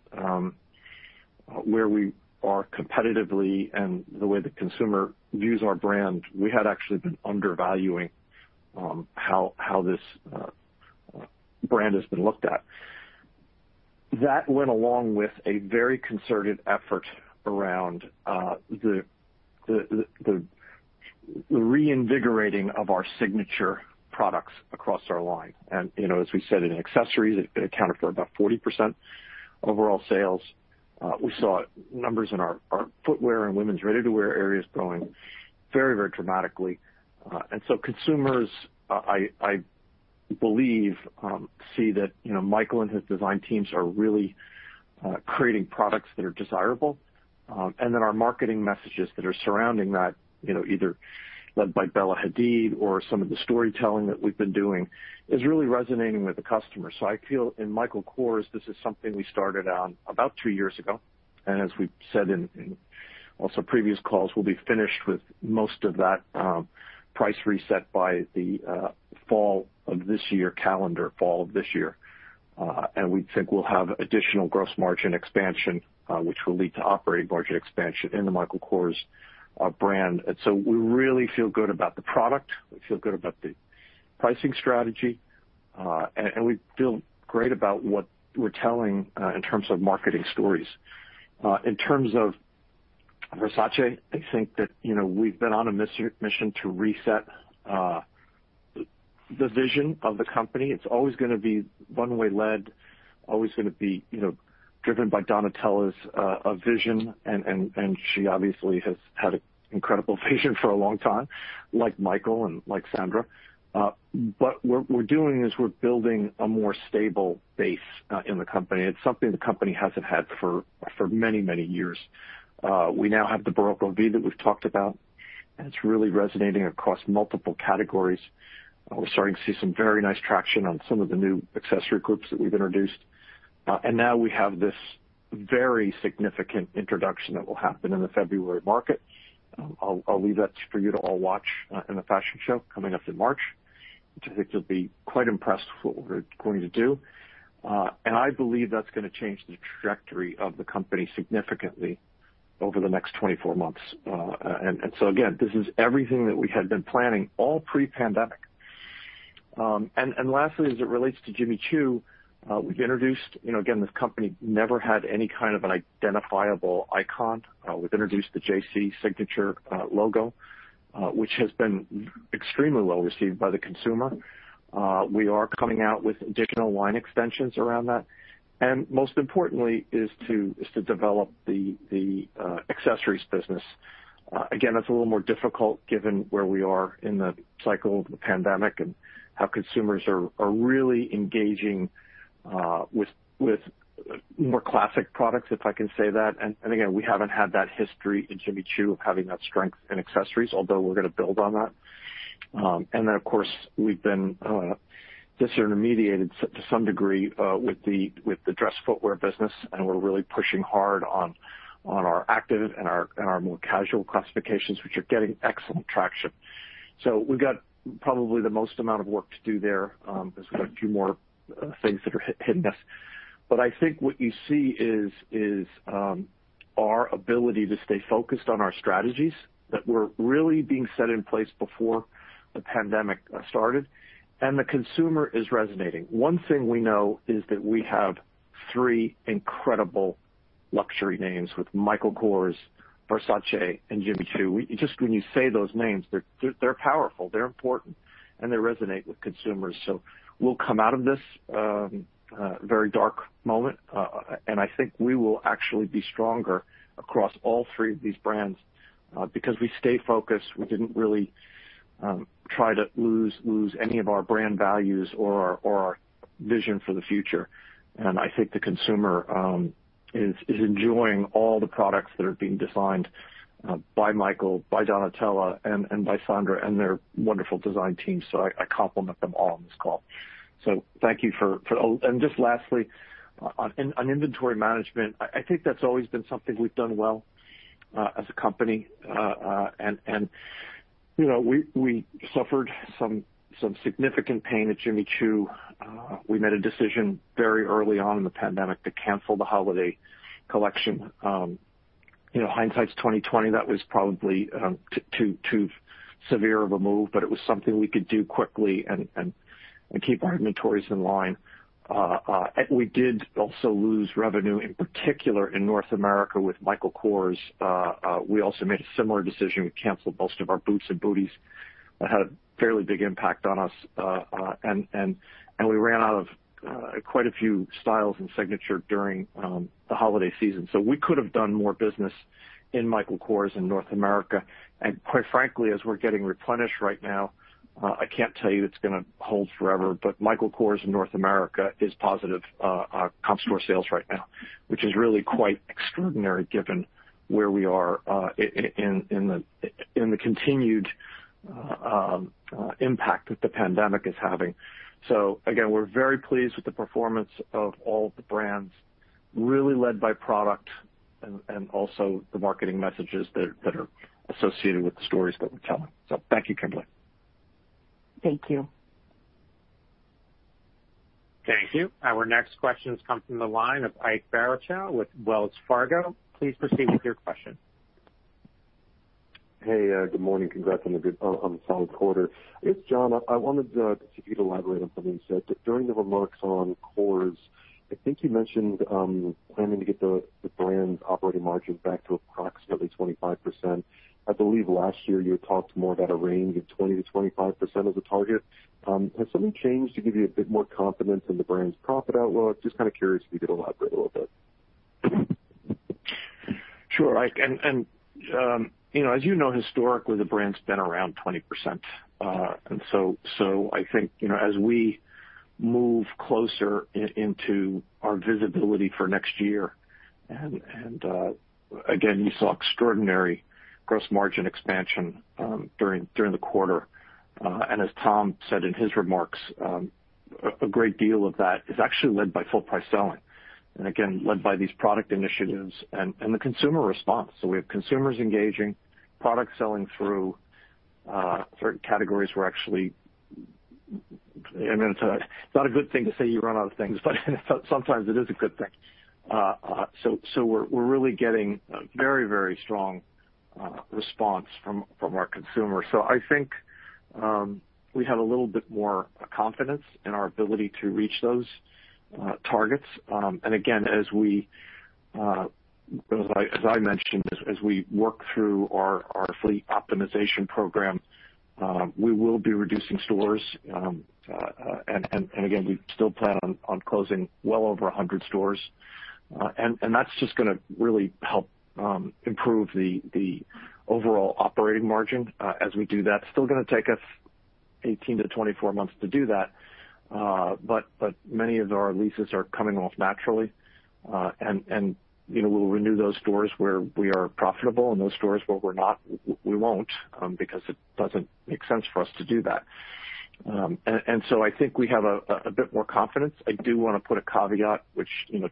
where we are competitively and the way the consumer views our brand, we had actually been undervaluing how this brand has been looked at. That went along with a very concerted effort around the reinvigorating of our signature products across our line. As we said, in accessories, it accounted for about 40% overall sales. We saw numbers in our footwear and women's ready-to-wear areas growing very dramatically. So consumers, I believe, see that Michael and his design teams are really creating products that are desirable. Our marketing messages that are surrounding that, either led by Bella Hadid or some of the storytelling that we've been doing, is really resonating with the customer. I feel in Michael Kors, this is something we started on about three years ago. As we've said in also previous calls, we'll be finished with most of that price reset by the calendar fall of this year. We think we'll have additional gross margin expansion, which will lead to operating margin expansion in the Michael Kors brand. We really feel good about the product, we feel good about the pricing strategy, and we feel great about what we're telling in terms of marketing stories. In terms of Versace, I think that we've been on a mission to reset the vision of the company. It's always going to be one way led, always going to be driven by Donatella's vision. She obviously has had an incredible vision for a long time, like Michael and like Sandra. What we're doing is we're building a more stable base in the company. It's something the company hasn't had for many years. We now have the Barocco V that we've talked about, and it's really resonating across multiple categories. We're starting to see some very nice traction on some of the new accessory groups that we've introduced. Now we have this very significant introduction that will happen in the February market. I'll leave that for you to all watch in the fashion show coming up in March. I think you'll be quite impressed with what we're going to do. I believe that's going to change the trajectory of the company significantly over the next 24 months. Again, this is everything that we had been planning, all pre-pandemic. Lastly, as it relates to Jimmy Choo, this company never had any kind of an identifiable icon. We've introduced the JC signature logo, which has been extremely well received by the consumer. We are coming out with additional line extensions around that, and most importantly is to develop the accessories business. Again, that's a little more difficult given where we are in the cycle of the pandemic and how consumers are really engaging with more classic products, if I can say that. Again, we haven't had that history in Jimmy Choo of having that strength in accessories, although we're going to build on that. Of course, we've been disintermediated to some degree with the dress footwear business, and we're really pushing hard on our active and our more casual classifications, which are getting excellent traction. We've got probably the most amount of work to do there, as we've got a few more things that are hitting us. I think what you see is our ability to stay focused on our strategies that were really being set in place before the pandemic started, and the consumer is resonating. One thing we know is that we have three incredible luxury names with Michael Kors, Versace, and Jimmy Choo. Just when you say those names, they're powerful, they're important, and they resonate with consumers. We'll come out of this very dark moment, and I think we will actually be stronger across all three of these brands because we stayed focused. We didn't really try to lose any of our brand values or our vision for the future. I think the consumer is enjoying all the products that are being designed by Michael, by Donatella, and by Sandra and their wonderful design team. I compliment them all on this call. Thank you. Just lastly, on inventory management, I think that's always been something we've done well as a company. We suffered some significant pain at Jimmy Choo. We made a decision very early on in the pandemic to cancel the holiday collection. Hindsight is 2020. That was probably too severe of a move, but it was something we could do quickly and keep our inventories in line. We did also lose revenue, in particular, in North America with Michael Kors. We also made a similar decision. We canceled most of our boots and booties. That had a fairly big impact on us. We ran out of quite a few styles in signature during the holiday season. We could have done more business in Michael Kors in North America. Quite frankly, as we're getting replenished right now, I can't tell you it's going to hold forever, but Michael Kors in North America is positive comp store sales right now, which is really quite extraordinary given where we are in the continued impact that the pandemic is having. Again, we're very pleased with the performance of all the brands, really led by product and also the marketing messages that are associated with the stories that we're telling. Thank you, Kimberly. Thank you. Thank you. Our next question comes from the line of Ike Boruchow with Wells Fargo. Please proceed with your question. Hey, good morning. Congrats on the solid quarter. It's John. I wanted to get you to elaborate on something you said during the remarks on Kors. I think you mentioned planning to get the brand operating margin back to approximately 25%. I believe last year you had talked more about a range of 20%-25% as a target. Has something changed to give you a bit more confidence in the brand's profit outlook? Just kind of curious if you could elaborate a little bit. Sure, Ike. As you know, historically, the brand's been around 20%. I think, as we move closer into our visibility for next year, and again, you saw extraordinary gross margin expansion during the quarter. As Tom said in his remarks, a great deal of that is actually led by full price selling, and again, led by these product initiatives and the consumer response. We have consumers engaging, product selling through. Certain categories were actually it's not a good thing to say you run out of things, but sometimes it is a good thing. We're really getting a very strong response from our consumer. I think we have a little bit more confidence in our ability to reach those targets. Again, as I mentioned, as we work through our fleet optimization program, we will be reducing stores. Again, we still plan on closing well over 100 stores. That's just going to really help improve the overall operating margin as we do that. Still going to take us 18 months-24 months to do that. Many of our leases are coming off naturally. We'll renew those stores where we are profitable, and those stores where we're not, we won't, because it doesn't make sense for us to do that. I think we have a bit more confidence. I do want to put a caveat, which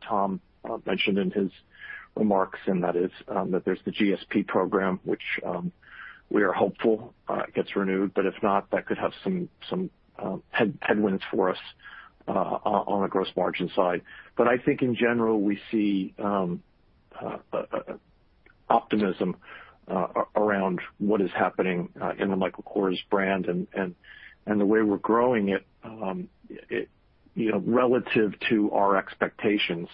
Tom mentioned in his remarks, and that is that there's the GSP program, which we are hopeful gets renewed. If not, that could have some headwinds for us on the gross margin side. I think in general, we see optimism around what is happening in the Michael Kors brand and the way we're growing it relative to our expectations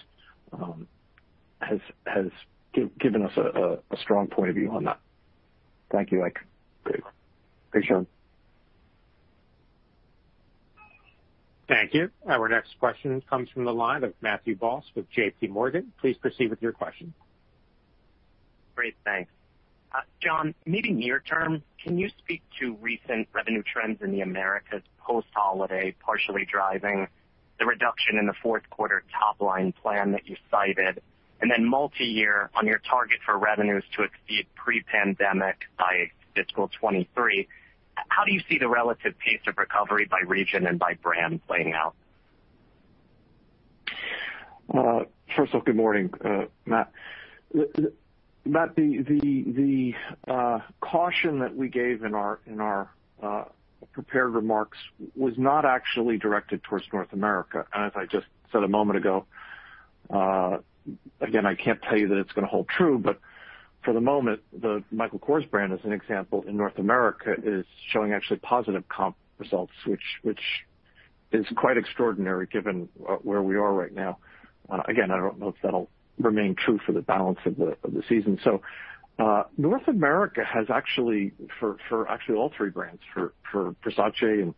has given us a strong point of view on that. Thank you, Ike. Great. Thanks, John. Thank you. Our next question comes from the line of Matthew Boss with JPMorgan. Please proceed with your question. Great. Thanks. John, maybe near term, can you speak to recent revenue trends in the Americas post-holiday, partially driving the reduction in the fourth quarter top-line plan that you cited, multi-year on your target for revenues to exceed pre-pandemic by fiscal 2023. How do you see the relative pace of recovery by region and by brand playing out? First of all, good morning, Matt. Matt, the caution that we gave in our prepared remarks was not actually directed towards North America. As I just said a moment ago, again, I can't tell you that it's going to hold true, but for the moment, the Michael Kors brand, as an example, in North America, is showing actually positive comp results, which is quite extraordinary given where we are right now. Again, I don't know if that'll remain true for the balance of the season. North America has actually, for actually all three brands, for Versace and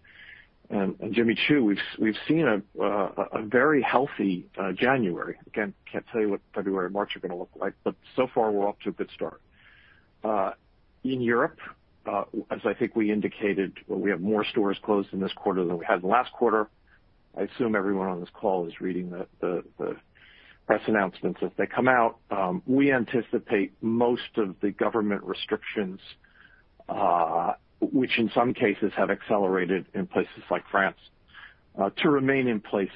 Jimmy Choo, we've seen a very healthy January. Again, can't tell you what February, March are going to look like, but so far, we're off to a good start. In Europe, as I think we indicated, we have more stores closed in this quarter than we had in the last quarter. I assume everyone on this call is reading the press announcements as they come out. We anticipate most of the government restrictions, which in some cases have accelerated in places like France, to remain in place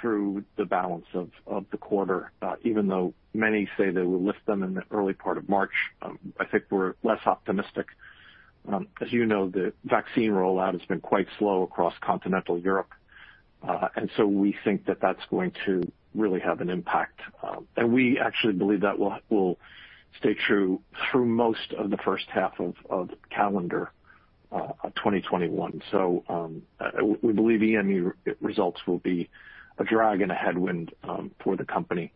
through the balance of the quarter. Even though many say they will lift them in the early part of March, I think we're less optimistic. As you know, the vaccine rollout has been quite slow across continental Europe. We think that that's going to really have an impact. We actually believe that will stay true through most of the first half of calendar 2021. We believe EMEA results will be a drag and a headwind for the company.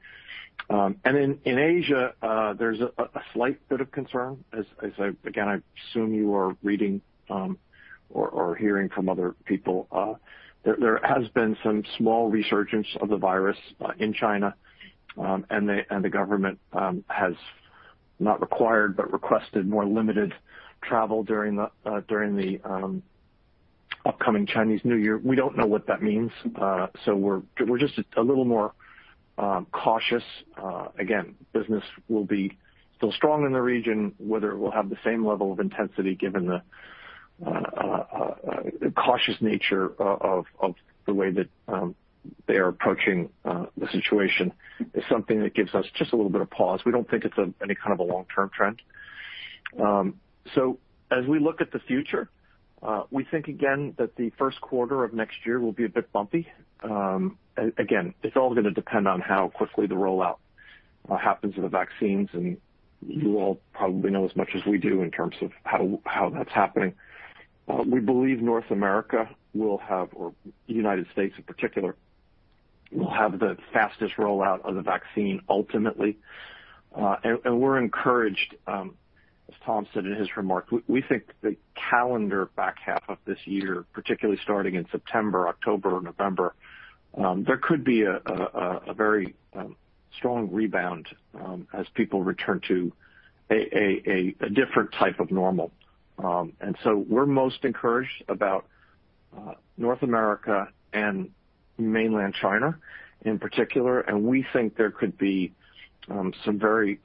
In Asia, there's a slight bit of concern, as, again, I assume you are reading, or hearing from other people. There has been some small resurgence of the virus in China, and the government has not required, but requested more limited travel during the upcoming Chinese New Year. We don't know what that means. We're just a little more cautious. Again, business will be still strong in the region, whether it will have the same level of intensity given the cautious nature of the way that they are approaching the situation is something that gives us just a little bit of pause. We don't think it's any kind of a long-term trend. As we look at the future, we think again that the first quarter of next year will be a bit bumpy. Again, it's all going to depend on how quickly the rollout happens of the vaccines, and you all probably know as much as we do in terms of how that's happening. We believe North America will have, or the United States in particular, will have the fastest rollout of the vaccine ultimately. We're encouraged, as Tom said in his remarks, we think the calendar back half of this year, particularly starting in September, October, November, there could be a very strong rebound as people return to a different type of normal. We're most encouraged about North America and Mainland China in particular, and we think there could be some very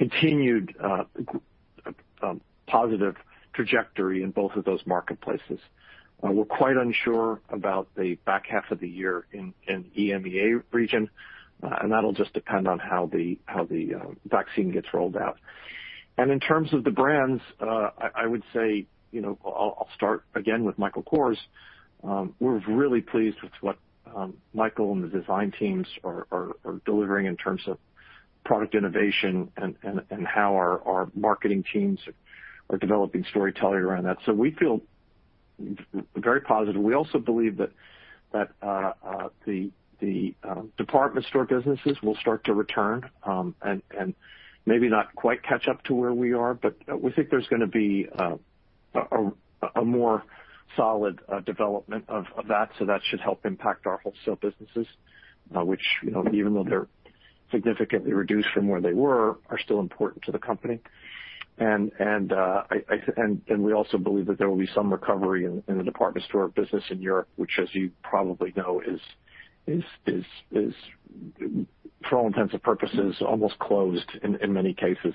continued positive trajectory in both of those marketplaces. We're quite unsure about the back half of the year in EMEA region. That'll just depend on how the vaccine gets rolled out. In terms of the brands, I would say, I'll start again with Michael Kors. We're really pleased with what Michael and the design teams are delivering in terms of product innovation and how our marketing teams are developing storytelling around that. We feel very positive. We also believe that the department store businesses will start to return, and maybe not quite catch up to where we are, but we think there's going to be a more solid development of that. That should help impact our wholesale businesses, which even though they're significantly reduced from where they were, are still important to the company. We also believe that there will be some recovery in the department store business in Europe, which, as you probably know, is for all intents and purposes, almost closed in many cases.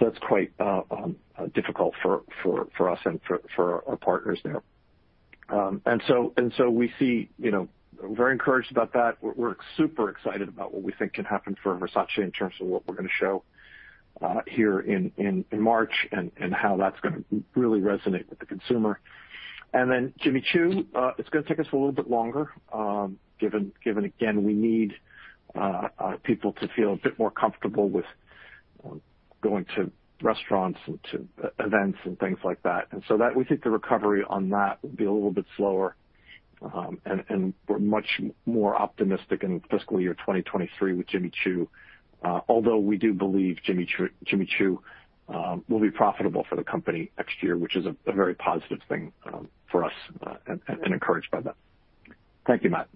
That's quite difficult for us and for our partners there. We see, very encouraged about that. We're super excited about what we think can happen for Versace in terms of what we're going to show here in March and how that's going to really resonate with the consumer. Then Jimmy Choo, it's going to take us a little bit longer, given, again, we need people to feel a bit more comfortable with going to restaurants and to events and things like that. That we think the recovery on that will be a little bit slower. We're much more optimistic in fiscal year 2023 with Jimmy Choo. Although we do believe Jimmy Choo will be profitable for the company next year, which is a very positive thing for us, and encouraged by that. Thank you, Matt.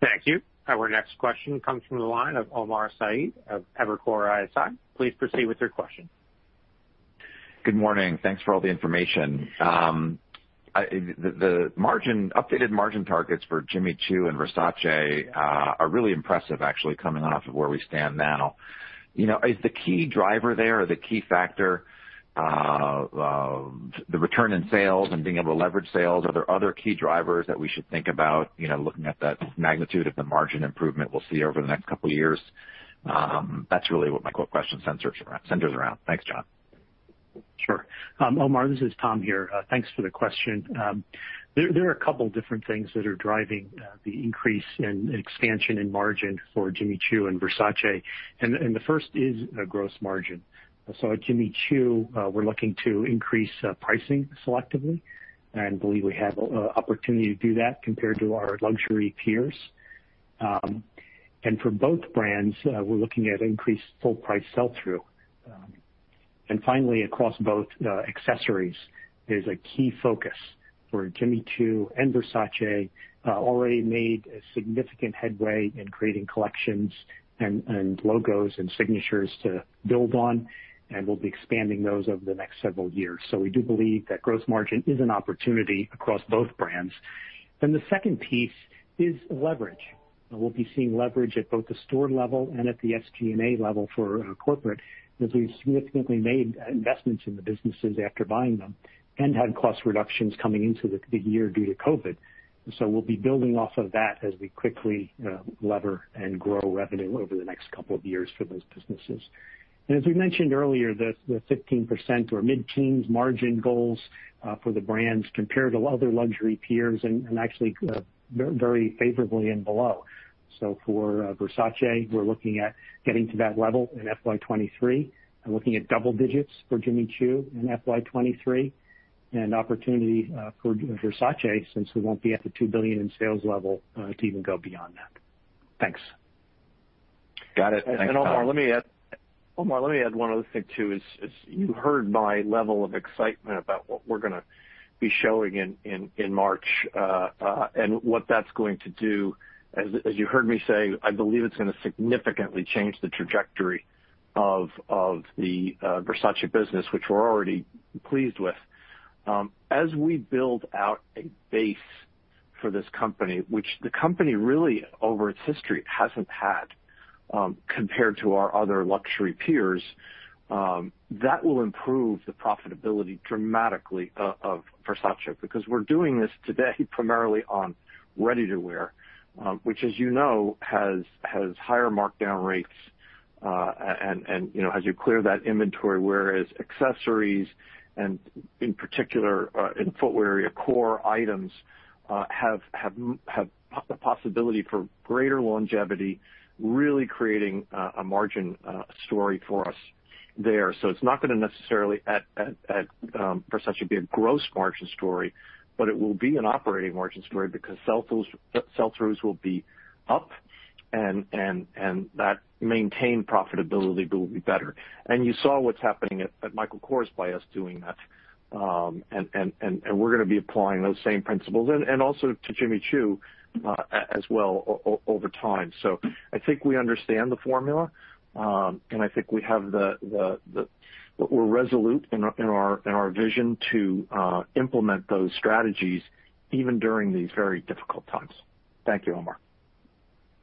Thank you. Our next question comes from the line of Omar Saad of Evercore ISI. Please proceed with your question. Good morning. Thanks for all the information. The updated margin targets for Jimmy Choo and Versace are really impressive, actually, coming off of where we stand now. Is the key driver there or the key factor the return in sales and being able to leverage sales? Are there other key drivers that we should think about looking at that magnitude of the margin improvement we'll see over the next couple of years? That's really what my question centers around. Thanks, John. Sure. Omar, this is Tom here. Thanks for the question. There are a couple different things that are driving the increase in expansion and margin for Jimmy Choo and Versace. The first is a gross margin. At Jimmy Choo, we're looking to increase pricing selectively and believe we have an opportunity to do that compared to our luxury peers. For both brands, we're looking at increased full price sell-through. Finally, across both accessories, there's a key focus for Jimmy Choo and Versace already made a significant headway in creating collections and logos and signatures to build on. We'll be expanding those over the next several years. We do believe that gross margin is an opportunity across both brands. The second piece is leverage. We'll be seeing leverage at both the store level and at the SG&A level for corporate, as we've significantly made investments in the businesses after buying them and had cost reductions coming into the year due to COVID. We'll be building off of that as we quickly lever and grow revenue over the next couple of years for those businesses. As we mentioned earlier, the 15% or mid-teens margin goals for the brands compare to other luxury peers and actually very favorably and below. For Versace, we're looking at getting to that level in FY 2023 and looking at double digits for Jimmy Choo in FY 2023, and opportunity for Versace, since we won't be at the $2 billion in sales level, to even go beyond that. Thanks. Got it. Thanks, Tom. Omar, let me add one other thing, too, is you heard my level of excitement about what we're going to be showing in March, and what that's going to do. As you heard me say, I believe it's going to significantly change the trajectory of the Versace business, which we're already pleased with. As we build out a base for this company, which the company really, over its history, hasn't had compared to our other luxury peers, that will improve the profitability dramatically of Versace. We're doing this today primarily on ready-to-wear, which as you know, has higher markdown rates and as you clear that inventory. Accessories and in particular, in footwear, your core items have the possibility for greater longevity, really creating a margin story for us there. It's not going to necessarily, at Versace, be a gross margin story, but it will be an operating margin story because sell-throughs will be up, and that maintained profitability will be better. You saw what's happening at Michael Kors by us doing that, and we're going to be applying those same principles and also to Jimmy Choo as well over time. I think we understand the formula, and I think we're resolute in our vision to implement those strategies even during these very difficult times. Thank you, Omar.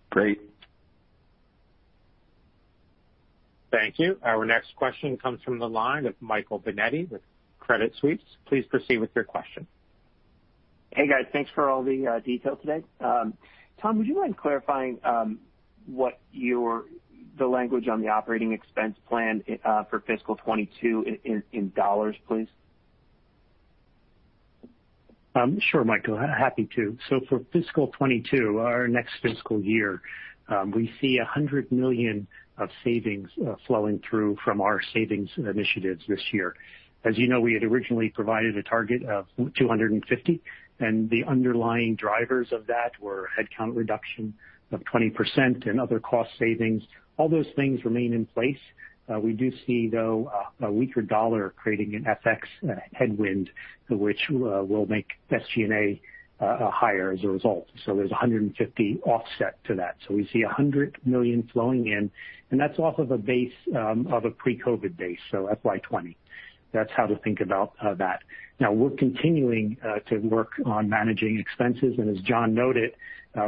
Great. Thank you. Our next question comes from the line of Michael Binetti with Credit Suisse. Please proceed with your question. Hey, guys. Thanks for all the detail today. Tom, would you mind clarifying what the language on the operating expense plan for fiscal 2022 in dollars, please? Sure, Michael. Happy to. For fiscal 2022, our next fiscal year, we see $100 million of savings flowing through from our savings initiatives this year. As you know, we had originally provided a target of $250 million, and the underlying drivers of that were headcount reduction of 20% and other cost savings. All those things remain in place. We do see, though, a weaker dollar creating an FX headwind, which will make SG&A higher as a result. There's $150 million offset to that. We see $100 million flowing in, and that's off of a pre-COVID-19 base, FY 2020. That's how to think about that. Now, we're continuing to work on managing expenses, and as John noted,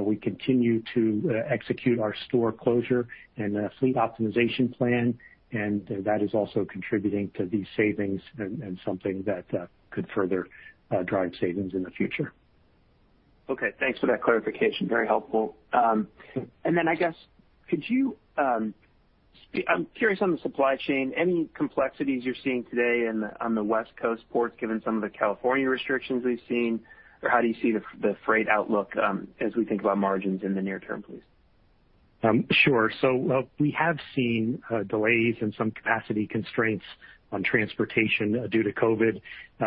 we continue to execute our store closure and fleet optimization plan, and that is also contributing to these savings and something that could further drive savings in the future. Okay. Thanks for that clarification. Very helpful. I guess, I'm curious on the supply chain, any complexities you're seeing today on the West Coast ports, given some of the California restrictions we've seen? How do you see the freight outlook as we think about margins in the near term, please? Sure. We have seen delays and some capacity constraints on transportation due to COVID-19.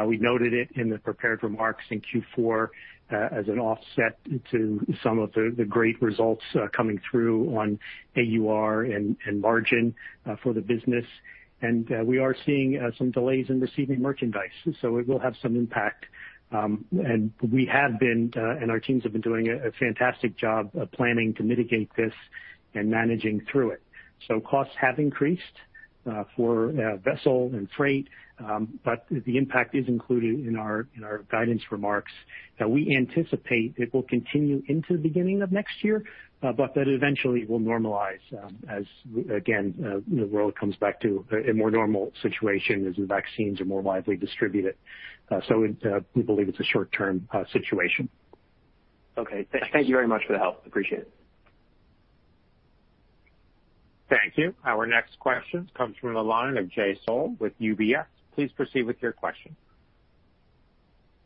We noted it in the prepared remarks in Q4 as an offset to some of the great results coming through on AUR and margin for the business. We are seeing some delays in receiving merchandise, it will have some impact. Our teams have been doing a fantastic job of planning to mitigate this and managing through it. Costs have increased for vessel and freight, the impact is included in our guidance remarks. We anticipate it will continue into the beginning of next year, that eventually it will normalize as, again, the world comes back to a more normal situation as the vaccines are more widely distributed. We believe it's a short-term situation. Okay, thanks. Thank you very much for the help. Appreciate it. Thank you. Our next question comes from the line of Jay Sole with UBS. Please proceed with your question.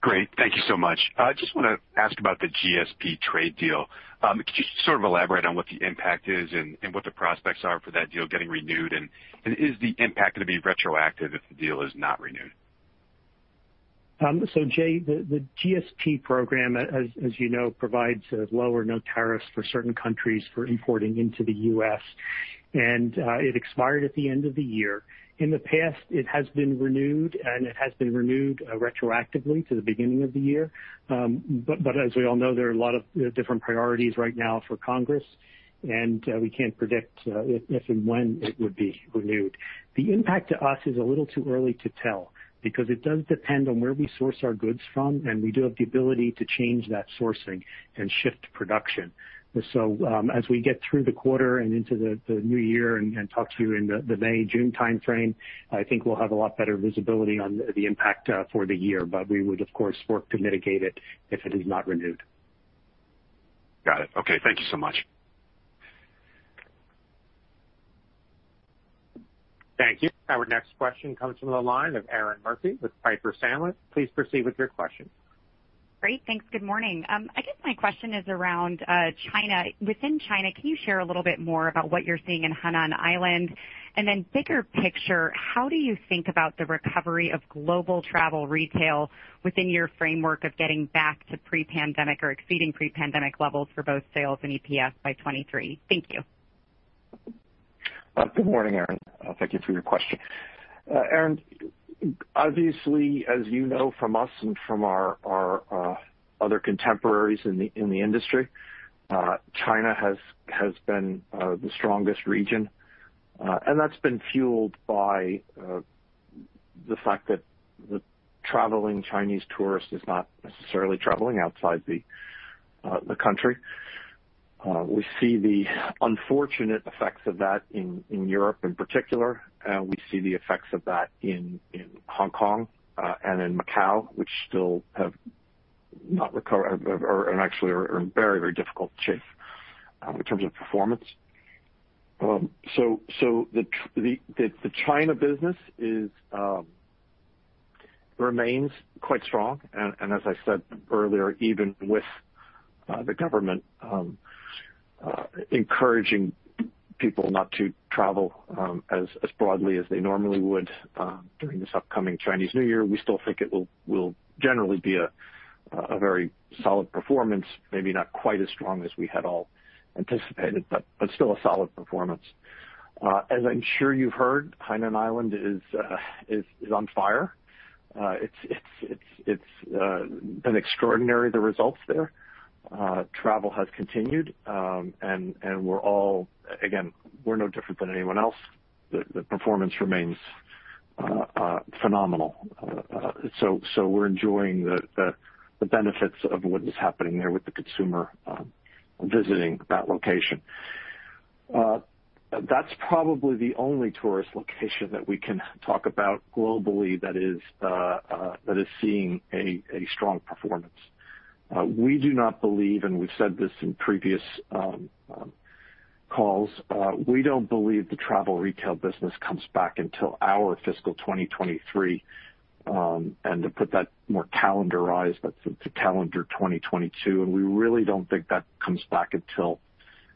Great. Thank you so much. I just want to ask about the GSP trade deal. Can you just sort of elaborate on what the impact is and what the prospects are for that deal getting renewed, and is the impact going to be retroactive if the deal is not renewed? Jay, the GSP program, as you know, provides low or no tariffs for certain countries for importing into the U.S., and it expired at the end of the year. In the past, it has been renewed, and it has been renewed retroactively to the beginning of the year. As we all know, there are a lot of different priorities right now for Congress, and we can't predict if and when it would be renewed. The impact to us is a little too early to tell because it does depend on where we source our goods from, and we do have the ability to change that sourcing and shift production. As we get through the quarter and into the New Year and talk to you in the May-June timeframe, I think we'll have a lot better visibility on the impact for the year. We would, of course, work to mitigate it if it is not renewed. Got it. Okay, thank you so much. Thank you. Our next question comes from the line of Erinn Murphy with Piper Sandler. Please proceed with your question. Great. Thanks. Good morning. I guess my question is around China. Within China, can you share a little bit more about what you're seeing in Hainan Island? Bigger picture, how do you think about the recovery of global travel retail within your framework of getting back to pre-pandemic? Or exceeding pre-pandemic levels for both sales and EPS by 2023? Thank you. Good morning, Erinn. Thank you for your question. Erinn, obviously, as you know from us and from our other contemporaries in the industry, China has been the strongest region, and that's been fueled by the fact that the traveling Chinese tourist is not necessarily traveling outside the country. We see the unfortunate effects of that in Europe in particular. We see the effects of that in Hong Kong and in Macau, which still have not recovered and actually are in very difficult shape in terms of performance. The China business remains quite strong, and as I said earlier, even with the government encouraging people not to travel as broadly as they normally would during this upcoming Chinese New Year, we still think it will generally be a very solid performance, maybe not quite as strong as we had all anticipated, but still a solid performance. As I'm sure you've heard, Hainan Island is on fire. It's been extraordinary, the results there. Travel has continued, and, again, we're no different than anyone else. The performance remains phenomenal. We're enjoying the benefits of what is happening there with the consumer visiting that location. That's probably the only tourist location that we can talk about globally that is seeing a strong performance. We do not believe, and we've said this in previous calls, we don't believe the travel retail business comes back until our fiscal 2023. To put that more calendarized, that's into calendar 2022, and we really don't think that comes back until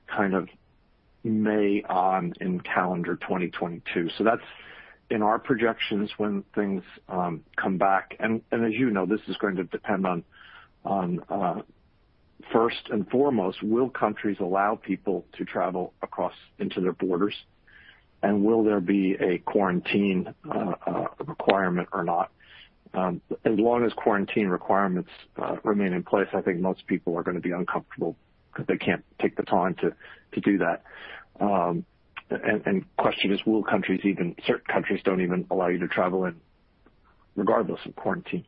kind of May on in calendar 2022. That's, in our projections, when things come back. As you know, this is going to depend on, first and foremost, will countries allow people to travel across into their borders, and will there be a quarantine requirement or not? As long as quarantine requirements remain in place, I think most people are going to be uncomfortable because they can't take the time to do that. The question is, certain countries don't even allow you to travel in regardless of quarantine.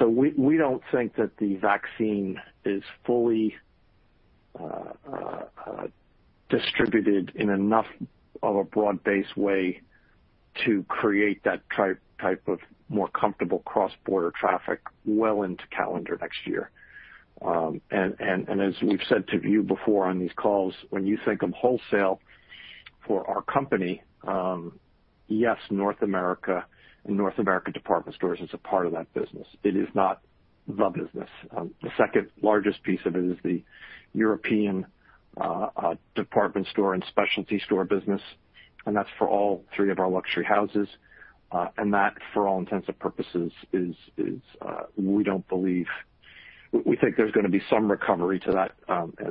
We don't think that the vaccine is fully distributed in enough of a broad-based way to create that type of more comfortable cross-border traffic well into calendar next year. As we've said to you before on these calls, when you think of wholesale for our company, yes, North America and North America department stores is a part of that business. It is not the business. The second-largest piece of it is the European department store and specialty store business, and that's for all three of our luxury houses. That, for all intents and purposes, we think there's going to be some recovery to that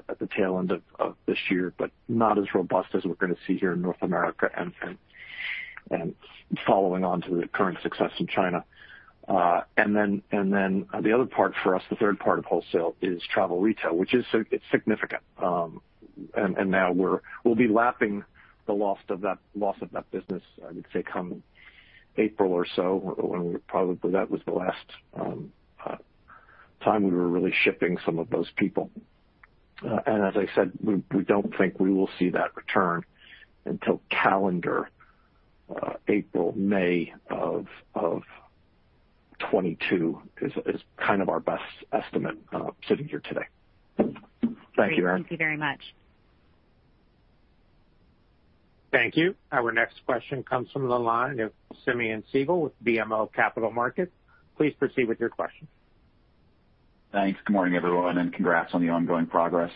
at the tail end of this year, but not as robust as we're going to see here in North America and following on to the current success in China. The other part for us, the third part of wholesale is travel retail, which is significant. Now we'll be lapping the loss of that business, I would say, come April or so. Probably that was the last time we were really shipping some of those people. As I said, we don't think we will see that return until calendar April, May of 2022 is our best estimate sitting here today. Thank you, Erinn. Great. Thank you very much. Thank you. Our next question comes from the line of Simeon Siegel with BMO Capital Markets. Please proceed with your question. Thanks. Good morning, everyone, and congrats on the ongoing progress.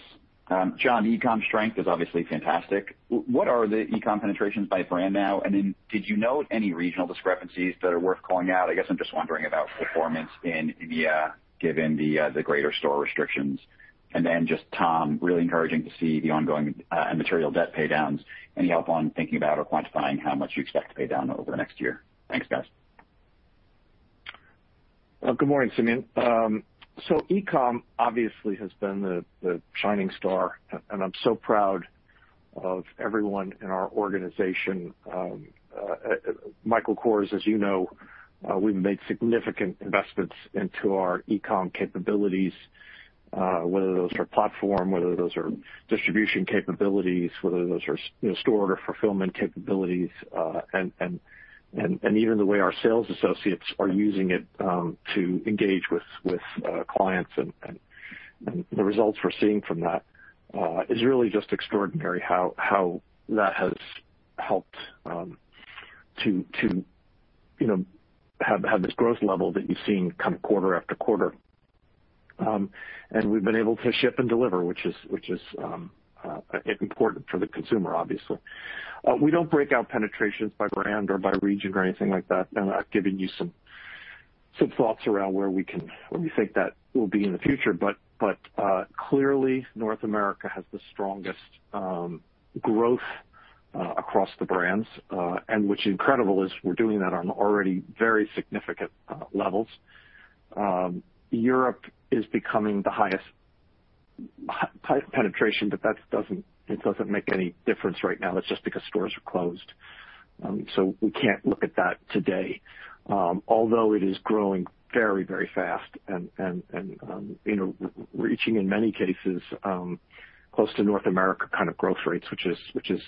John, e-com strength is obviously fantastic. What are the e-com penetrations by brand now? Did you note any regional discrepancies that are worth calling out? I guess I'm just wondering about performance in EMEA, given the greater store restrictions. Just Tom, really encouraging to see the ongoing and material debt paydowns. Any help on thinking about or quantifying how much you expect to pay down over the next year? Thanks, guys. Good morning, Simeon. E-com obviously has been the shining star, and I'm so proud of everyone in our organization. Michael Kors, as you know, we've made significant investments into our e-com capabilities, whether those are platform, whether those are distribution capabilities, whether those are store order fulfillment capabilities, and even the way our sales associates are using it to engage with clients. The results we're seeing from that is really just extraordinary how that has helped to have this growth level that you've seen come quarter after quarter. We've been able to ship and deliver, which is important for the consumer, obviously. We don't break out penetrations by brand or by region or anything like that. I've given you some thoughts around where we think that will be in the future. Clearly, North America has the strongest growth across the brands. What's incredible is we're doing that on already very significant levels. Europe is becoming the highest penetration, but it doesn't make any difference right now. That's just because stores are closed. We can't look at that today. Although it is growing very fast and reaching in many cases close to North America growth rates, which is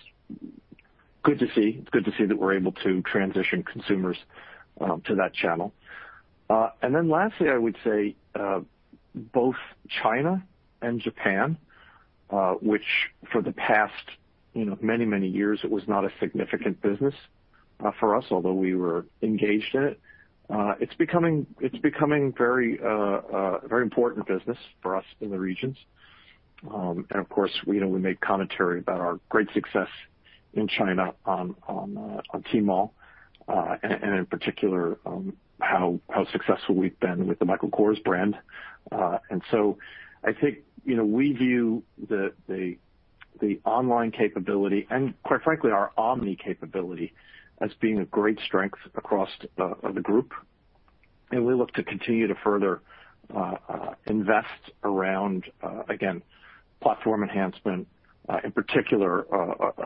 good to see. It's good to see that we're able to transition consumers to that channel. Lastly, I would say, both China and Japan which for the past many years it was not a significant business for us, although we were engaged in it. It's becoming a very important business for us in the regions. Of course, we made commentary about our great success in China on Tmall, and in particular, how successful we've been with the Michael Kors brand. I think we view the online capability and quite frankly, our omni capability as being a great strength across the group. We look to continue to further invest around, again, platform enhancement, in particular,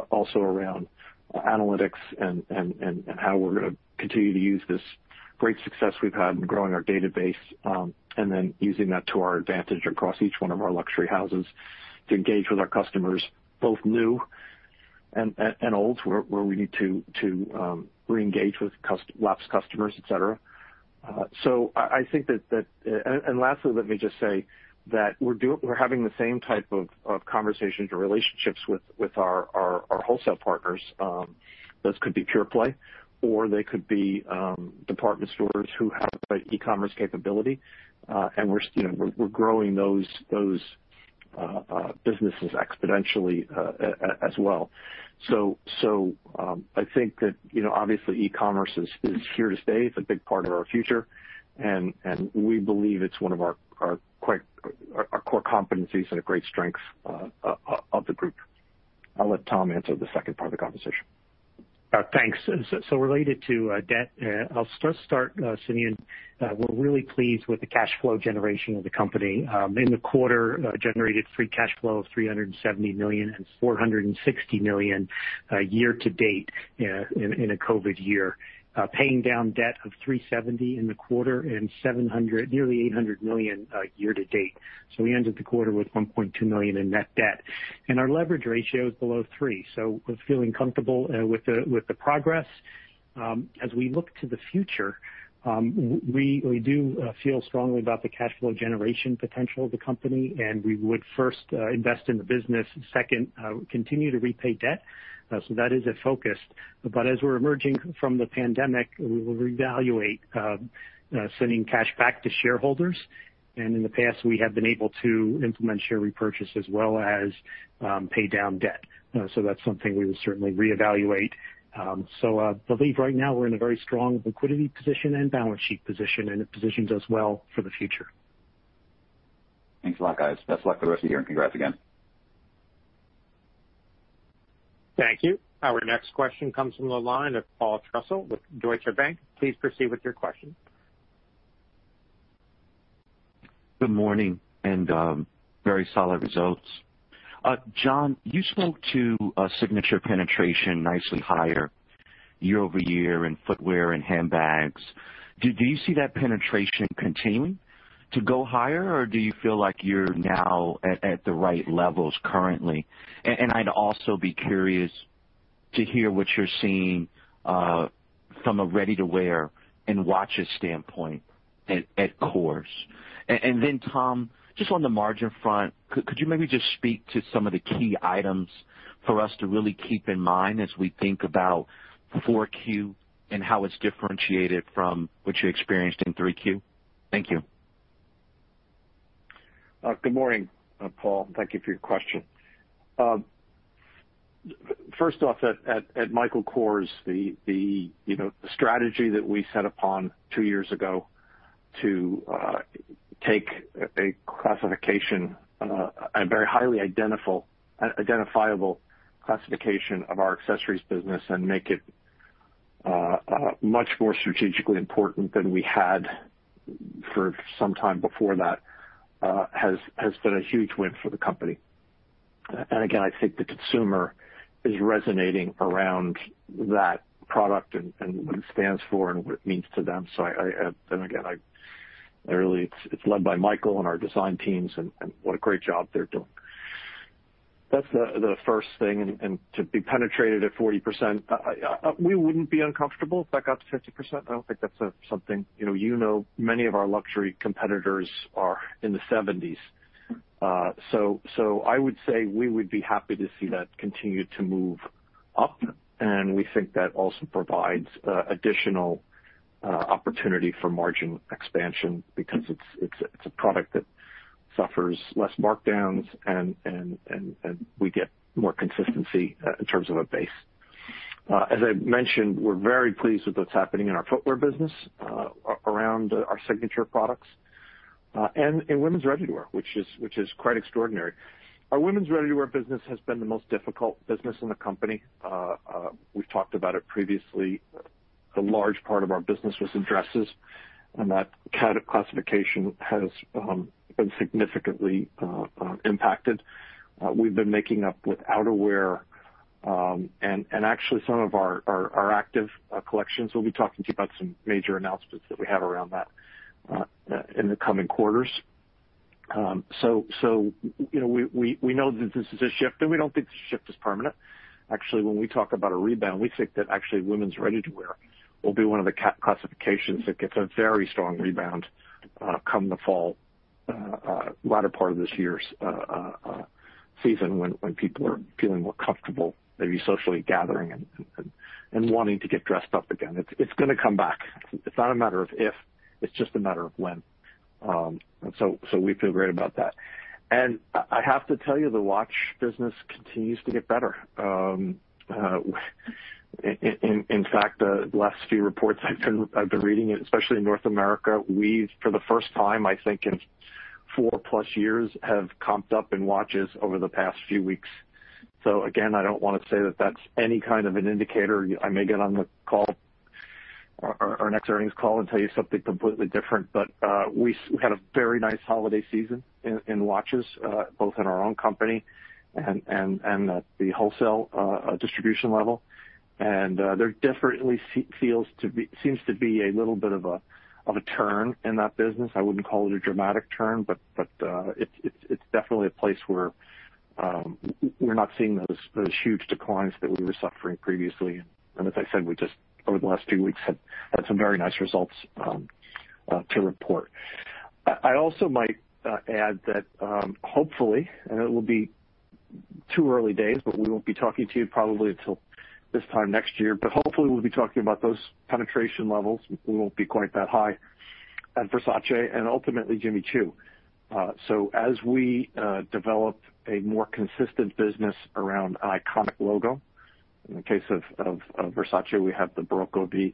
also around analytics and how we're going to continue to use this great success we've had in growing our database. Using that to our advantage across each one of our luxury houses to engage with our customers, both new and old, where we need to reengage with lapsed customers, et cetera. Lastly, let me just say that we're having the same type of conversations or relationships with our wholesale partners. Those could be pure play, or they could be department stores who have an e-commerce capability. We're growing those businesses exponentially as well. I think that obviously e-commerce is here to stay. It's a big part of our future, and we believe it's one of our core competencies and a great strength of the group. I'll let Tom answer the second part of the conversation. Thanks. Related to debt, I'll just start, Simeon. We're really pleased with the cash flow generation of the company. In the quarter, generated free cash flow of $370 million and $460 million year-to-date in a COVID-19 year. Paying down debt of $370 million in the quarter and nearly $800 million year-to-date. We ended the quarter with $1.2 billion in net debt. Our leverage ratio is below three, so we're feeling comfortable with the progress. As we look to the future, we do feel strongly about the cash flow generation potential of the company, and we would first invest in the business. Second, continue to repay debt. That is a focus. As we're emerging from the pandemic, we will reevaluate sending cash back to shareholders. In the past, we have been able to implement share repurchase as well as pay down debt. That's something we would certainly reevaluate. I believe right now we're in a very strong liquidity position and balance sheet position, and it positions us well for the future. Thanks a lot, guys. Best of luck for the rest of the year, and congrats again. Thank you. Our next question comes from the line of Paul Trussell with Deutsche Bank. Please proceed with your question. Good morning. Very solid results. John, you spoke to a signature penetration nicely higher year-over-year in footwear and handbags. Do you see that penetration continuing to go higher, or do you feel like you're now at the right levels currently? I'd also be curious to hear what you're seeing from a ready-to-wear and watches standpoint at Kors. Tom, just on the margin front, could you maybe just speak to some of the key items for us to really keep in mind as we think about 4Q and how it's differentiated from what you experienced in 3Q? Thank you. Good morning, Paul. Thank you for your question. First off, at Michael Kors, the strategy that we set upon two years ago to take a classification, a very highly identifiable classification of our accessories business and make it much more strategically important than we had for some time before that has been a huge win for the company. Again, I think the consumer is resonating around that product and what it stands for and what it means to them. Really, it's led by Michael and our design teams, and what a great job they're doing. That's the first thing. To be penetrated at 40%, we wouldn't be uncomfortable if that got to 50%. I don't think that's something You know many of our luxury competitors are in the 70%. I would say we would be happy to see that continue to move up, and we think that also provides additional opportunity for margin expansion because it's a product that suffers less markdowns, and we get more consistency in terms of a base. As I mentioned, we're very pleased with what's happening in our footwear business around our signature products. In women's ready-to-wear, which is quite extraordinary. Our women's ready-to-wear business has been the most difficult business in the company. We've talked about it previously. A large part of our business was in dresses, and that classification has been significantly impacted. We've been making up with outerwear, and actually, some of our active collections. We'll be talking to you about some major announcements that we have around that in the coming quarters. We know that this is a shift, and we don't think the shift is permanent. Actually, when we talk about a rebound, we think that actually women's ready-to-wear will be one of the classifications that gets a very strong rebound come the fall, latter part of this year's season, when people are feeling more comfortable, maybe socially gathering and wanting to get dressed up again. It's going to come back. It's not a matter of if, it's just a matter of when. We feel great about that. I have to tell you, the watch business continues to get better. In fact, the last few reports I've been reading, especially in North America, we've, for the first time, I think in four+ years, have comped up in watches over the past few weeks. Again, I don't want to say that that's any kind of an indicator. I may get on our next earnings call and tell you something completely different. We had a very nice holiday season in watches, both in our own company and at the wholesale distribution level. There definitely seems to be a little bit of a turn in that business. I wouldn't call it a dramatic turn, but it's definitely a place where we're not seeing those huge declines that we were suffering previously. As I said, we just, over the last few weeks, have had some very nice results to report. I also might add that, hopefully, and it will be too early days, but we won't be talking to you probably until this time next year, but hopefully, we'll be talking about those penetration levels. We won't be quite that high at Versace and ultimately Jimmy Choo. As we develop a more consistent business around an iconic logo, in the case of Versace, we have the Barocco V.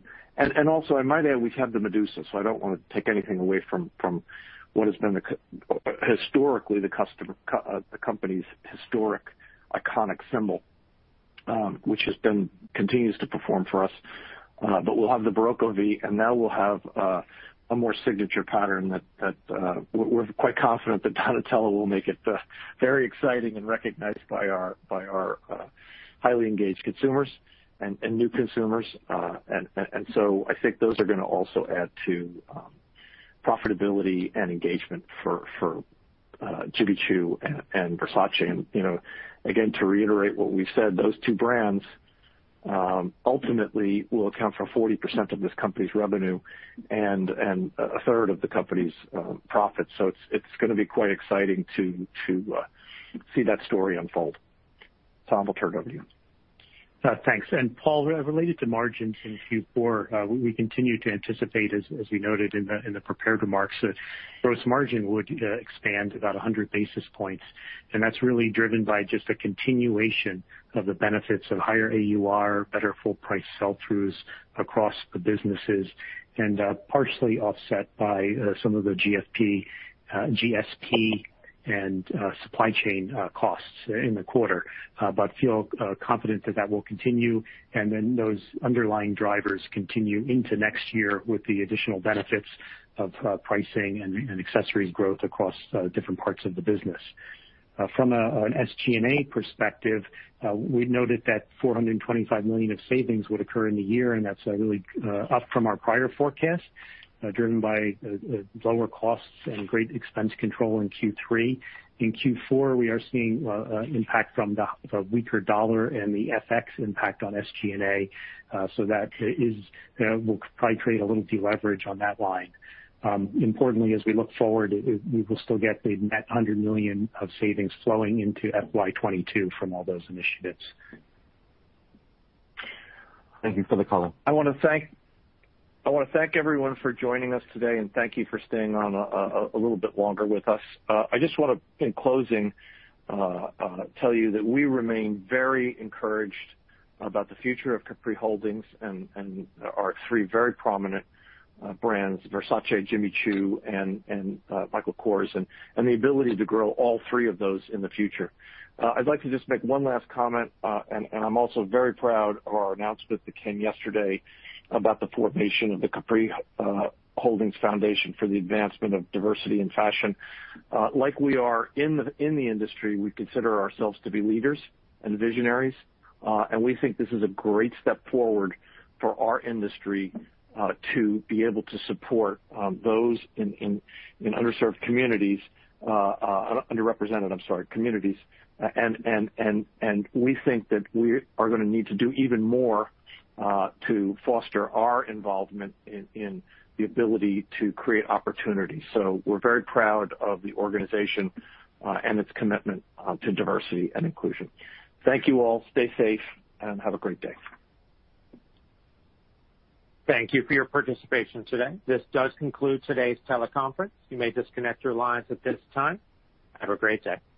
Also, I might add, we have the Medusa, so I don't want to take anything away from what has been historically the company's historic, iconic symbol, which continues to perform for us. We'll have the Barocco V, and now we'll have a more signature pattern that we're quite confident that Donatella will make it very exciting and recognized by our highly engaged consumers and new consumers. I think those are going to also add to profitability and engagement for Jimmy Choo and Versace. Again, to reiterate what we've said, those two brands ultimately will account for 40% of this company's revenue and a third of the company's profits. It's going to be quite exciting to see that story unfold. Tom, I'll turn it over to you. Thanks. Paul, related to margins in Q4, we continue to anticipate, as we noted in the prepared remarks, that gross margin would expand about 100 basis points, and that's really driven by just a continuation of the benefits of higher AUR, better full price sell-throughs across the businesses, and partially offset by some of the GSP and supply chain costs in the quarter. Feel confident that that will continue, and then those underlying drivers continue into next year with the additional benefits of pricing and accessories growth across different parts of the business. From an SG&A perspective, we noted that $425 million of savings would occur in the year, and that's really up from our prior forecast, driven by lower costs and great expense control in Q3. In Q4, we are seeing impact from the weaker dollar and the FX impact on SG&A. That will probably create a little deleverage on that line. Importantly, as we look forward, we will still get the net $100 million of savings flowing into FY 2022 from all those initiatives. Thank you for the color. I want to thank everyone for joining us today, and thank you for staying on a little bit longer with us. I just want to, in closing, tell you that we remain very encouraged about the future of Capri Holdings and our three very prominent brands, Versace, Jimmy Choo, and Michael Kors, and the ability to grow all three of those in the future. I'd like to just make one last comment, and I'm also very proud of our announcement that came yesterday about the formation of the Capri Holdings Foundation for the Advancement of Diversity in Fashion. Like we are in the industry, we consider ourselves to be leaders and visionaries, and we think this is a great step forward for our industry to be able to support those in underrepresented, I'm sorry, communities. We think that we are going to need to do even more to foster our involvement in the ability to create opportunities. We're very proud of the organization and its commitment to diversity and inclusion. Thank you all. Stay safe and have a great day. Thank you for your participation today. This does conclude today's teleconference. You may disconnect your lines at this time. Have a great day.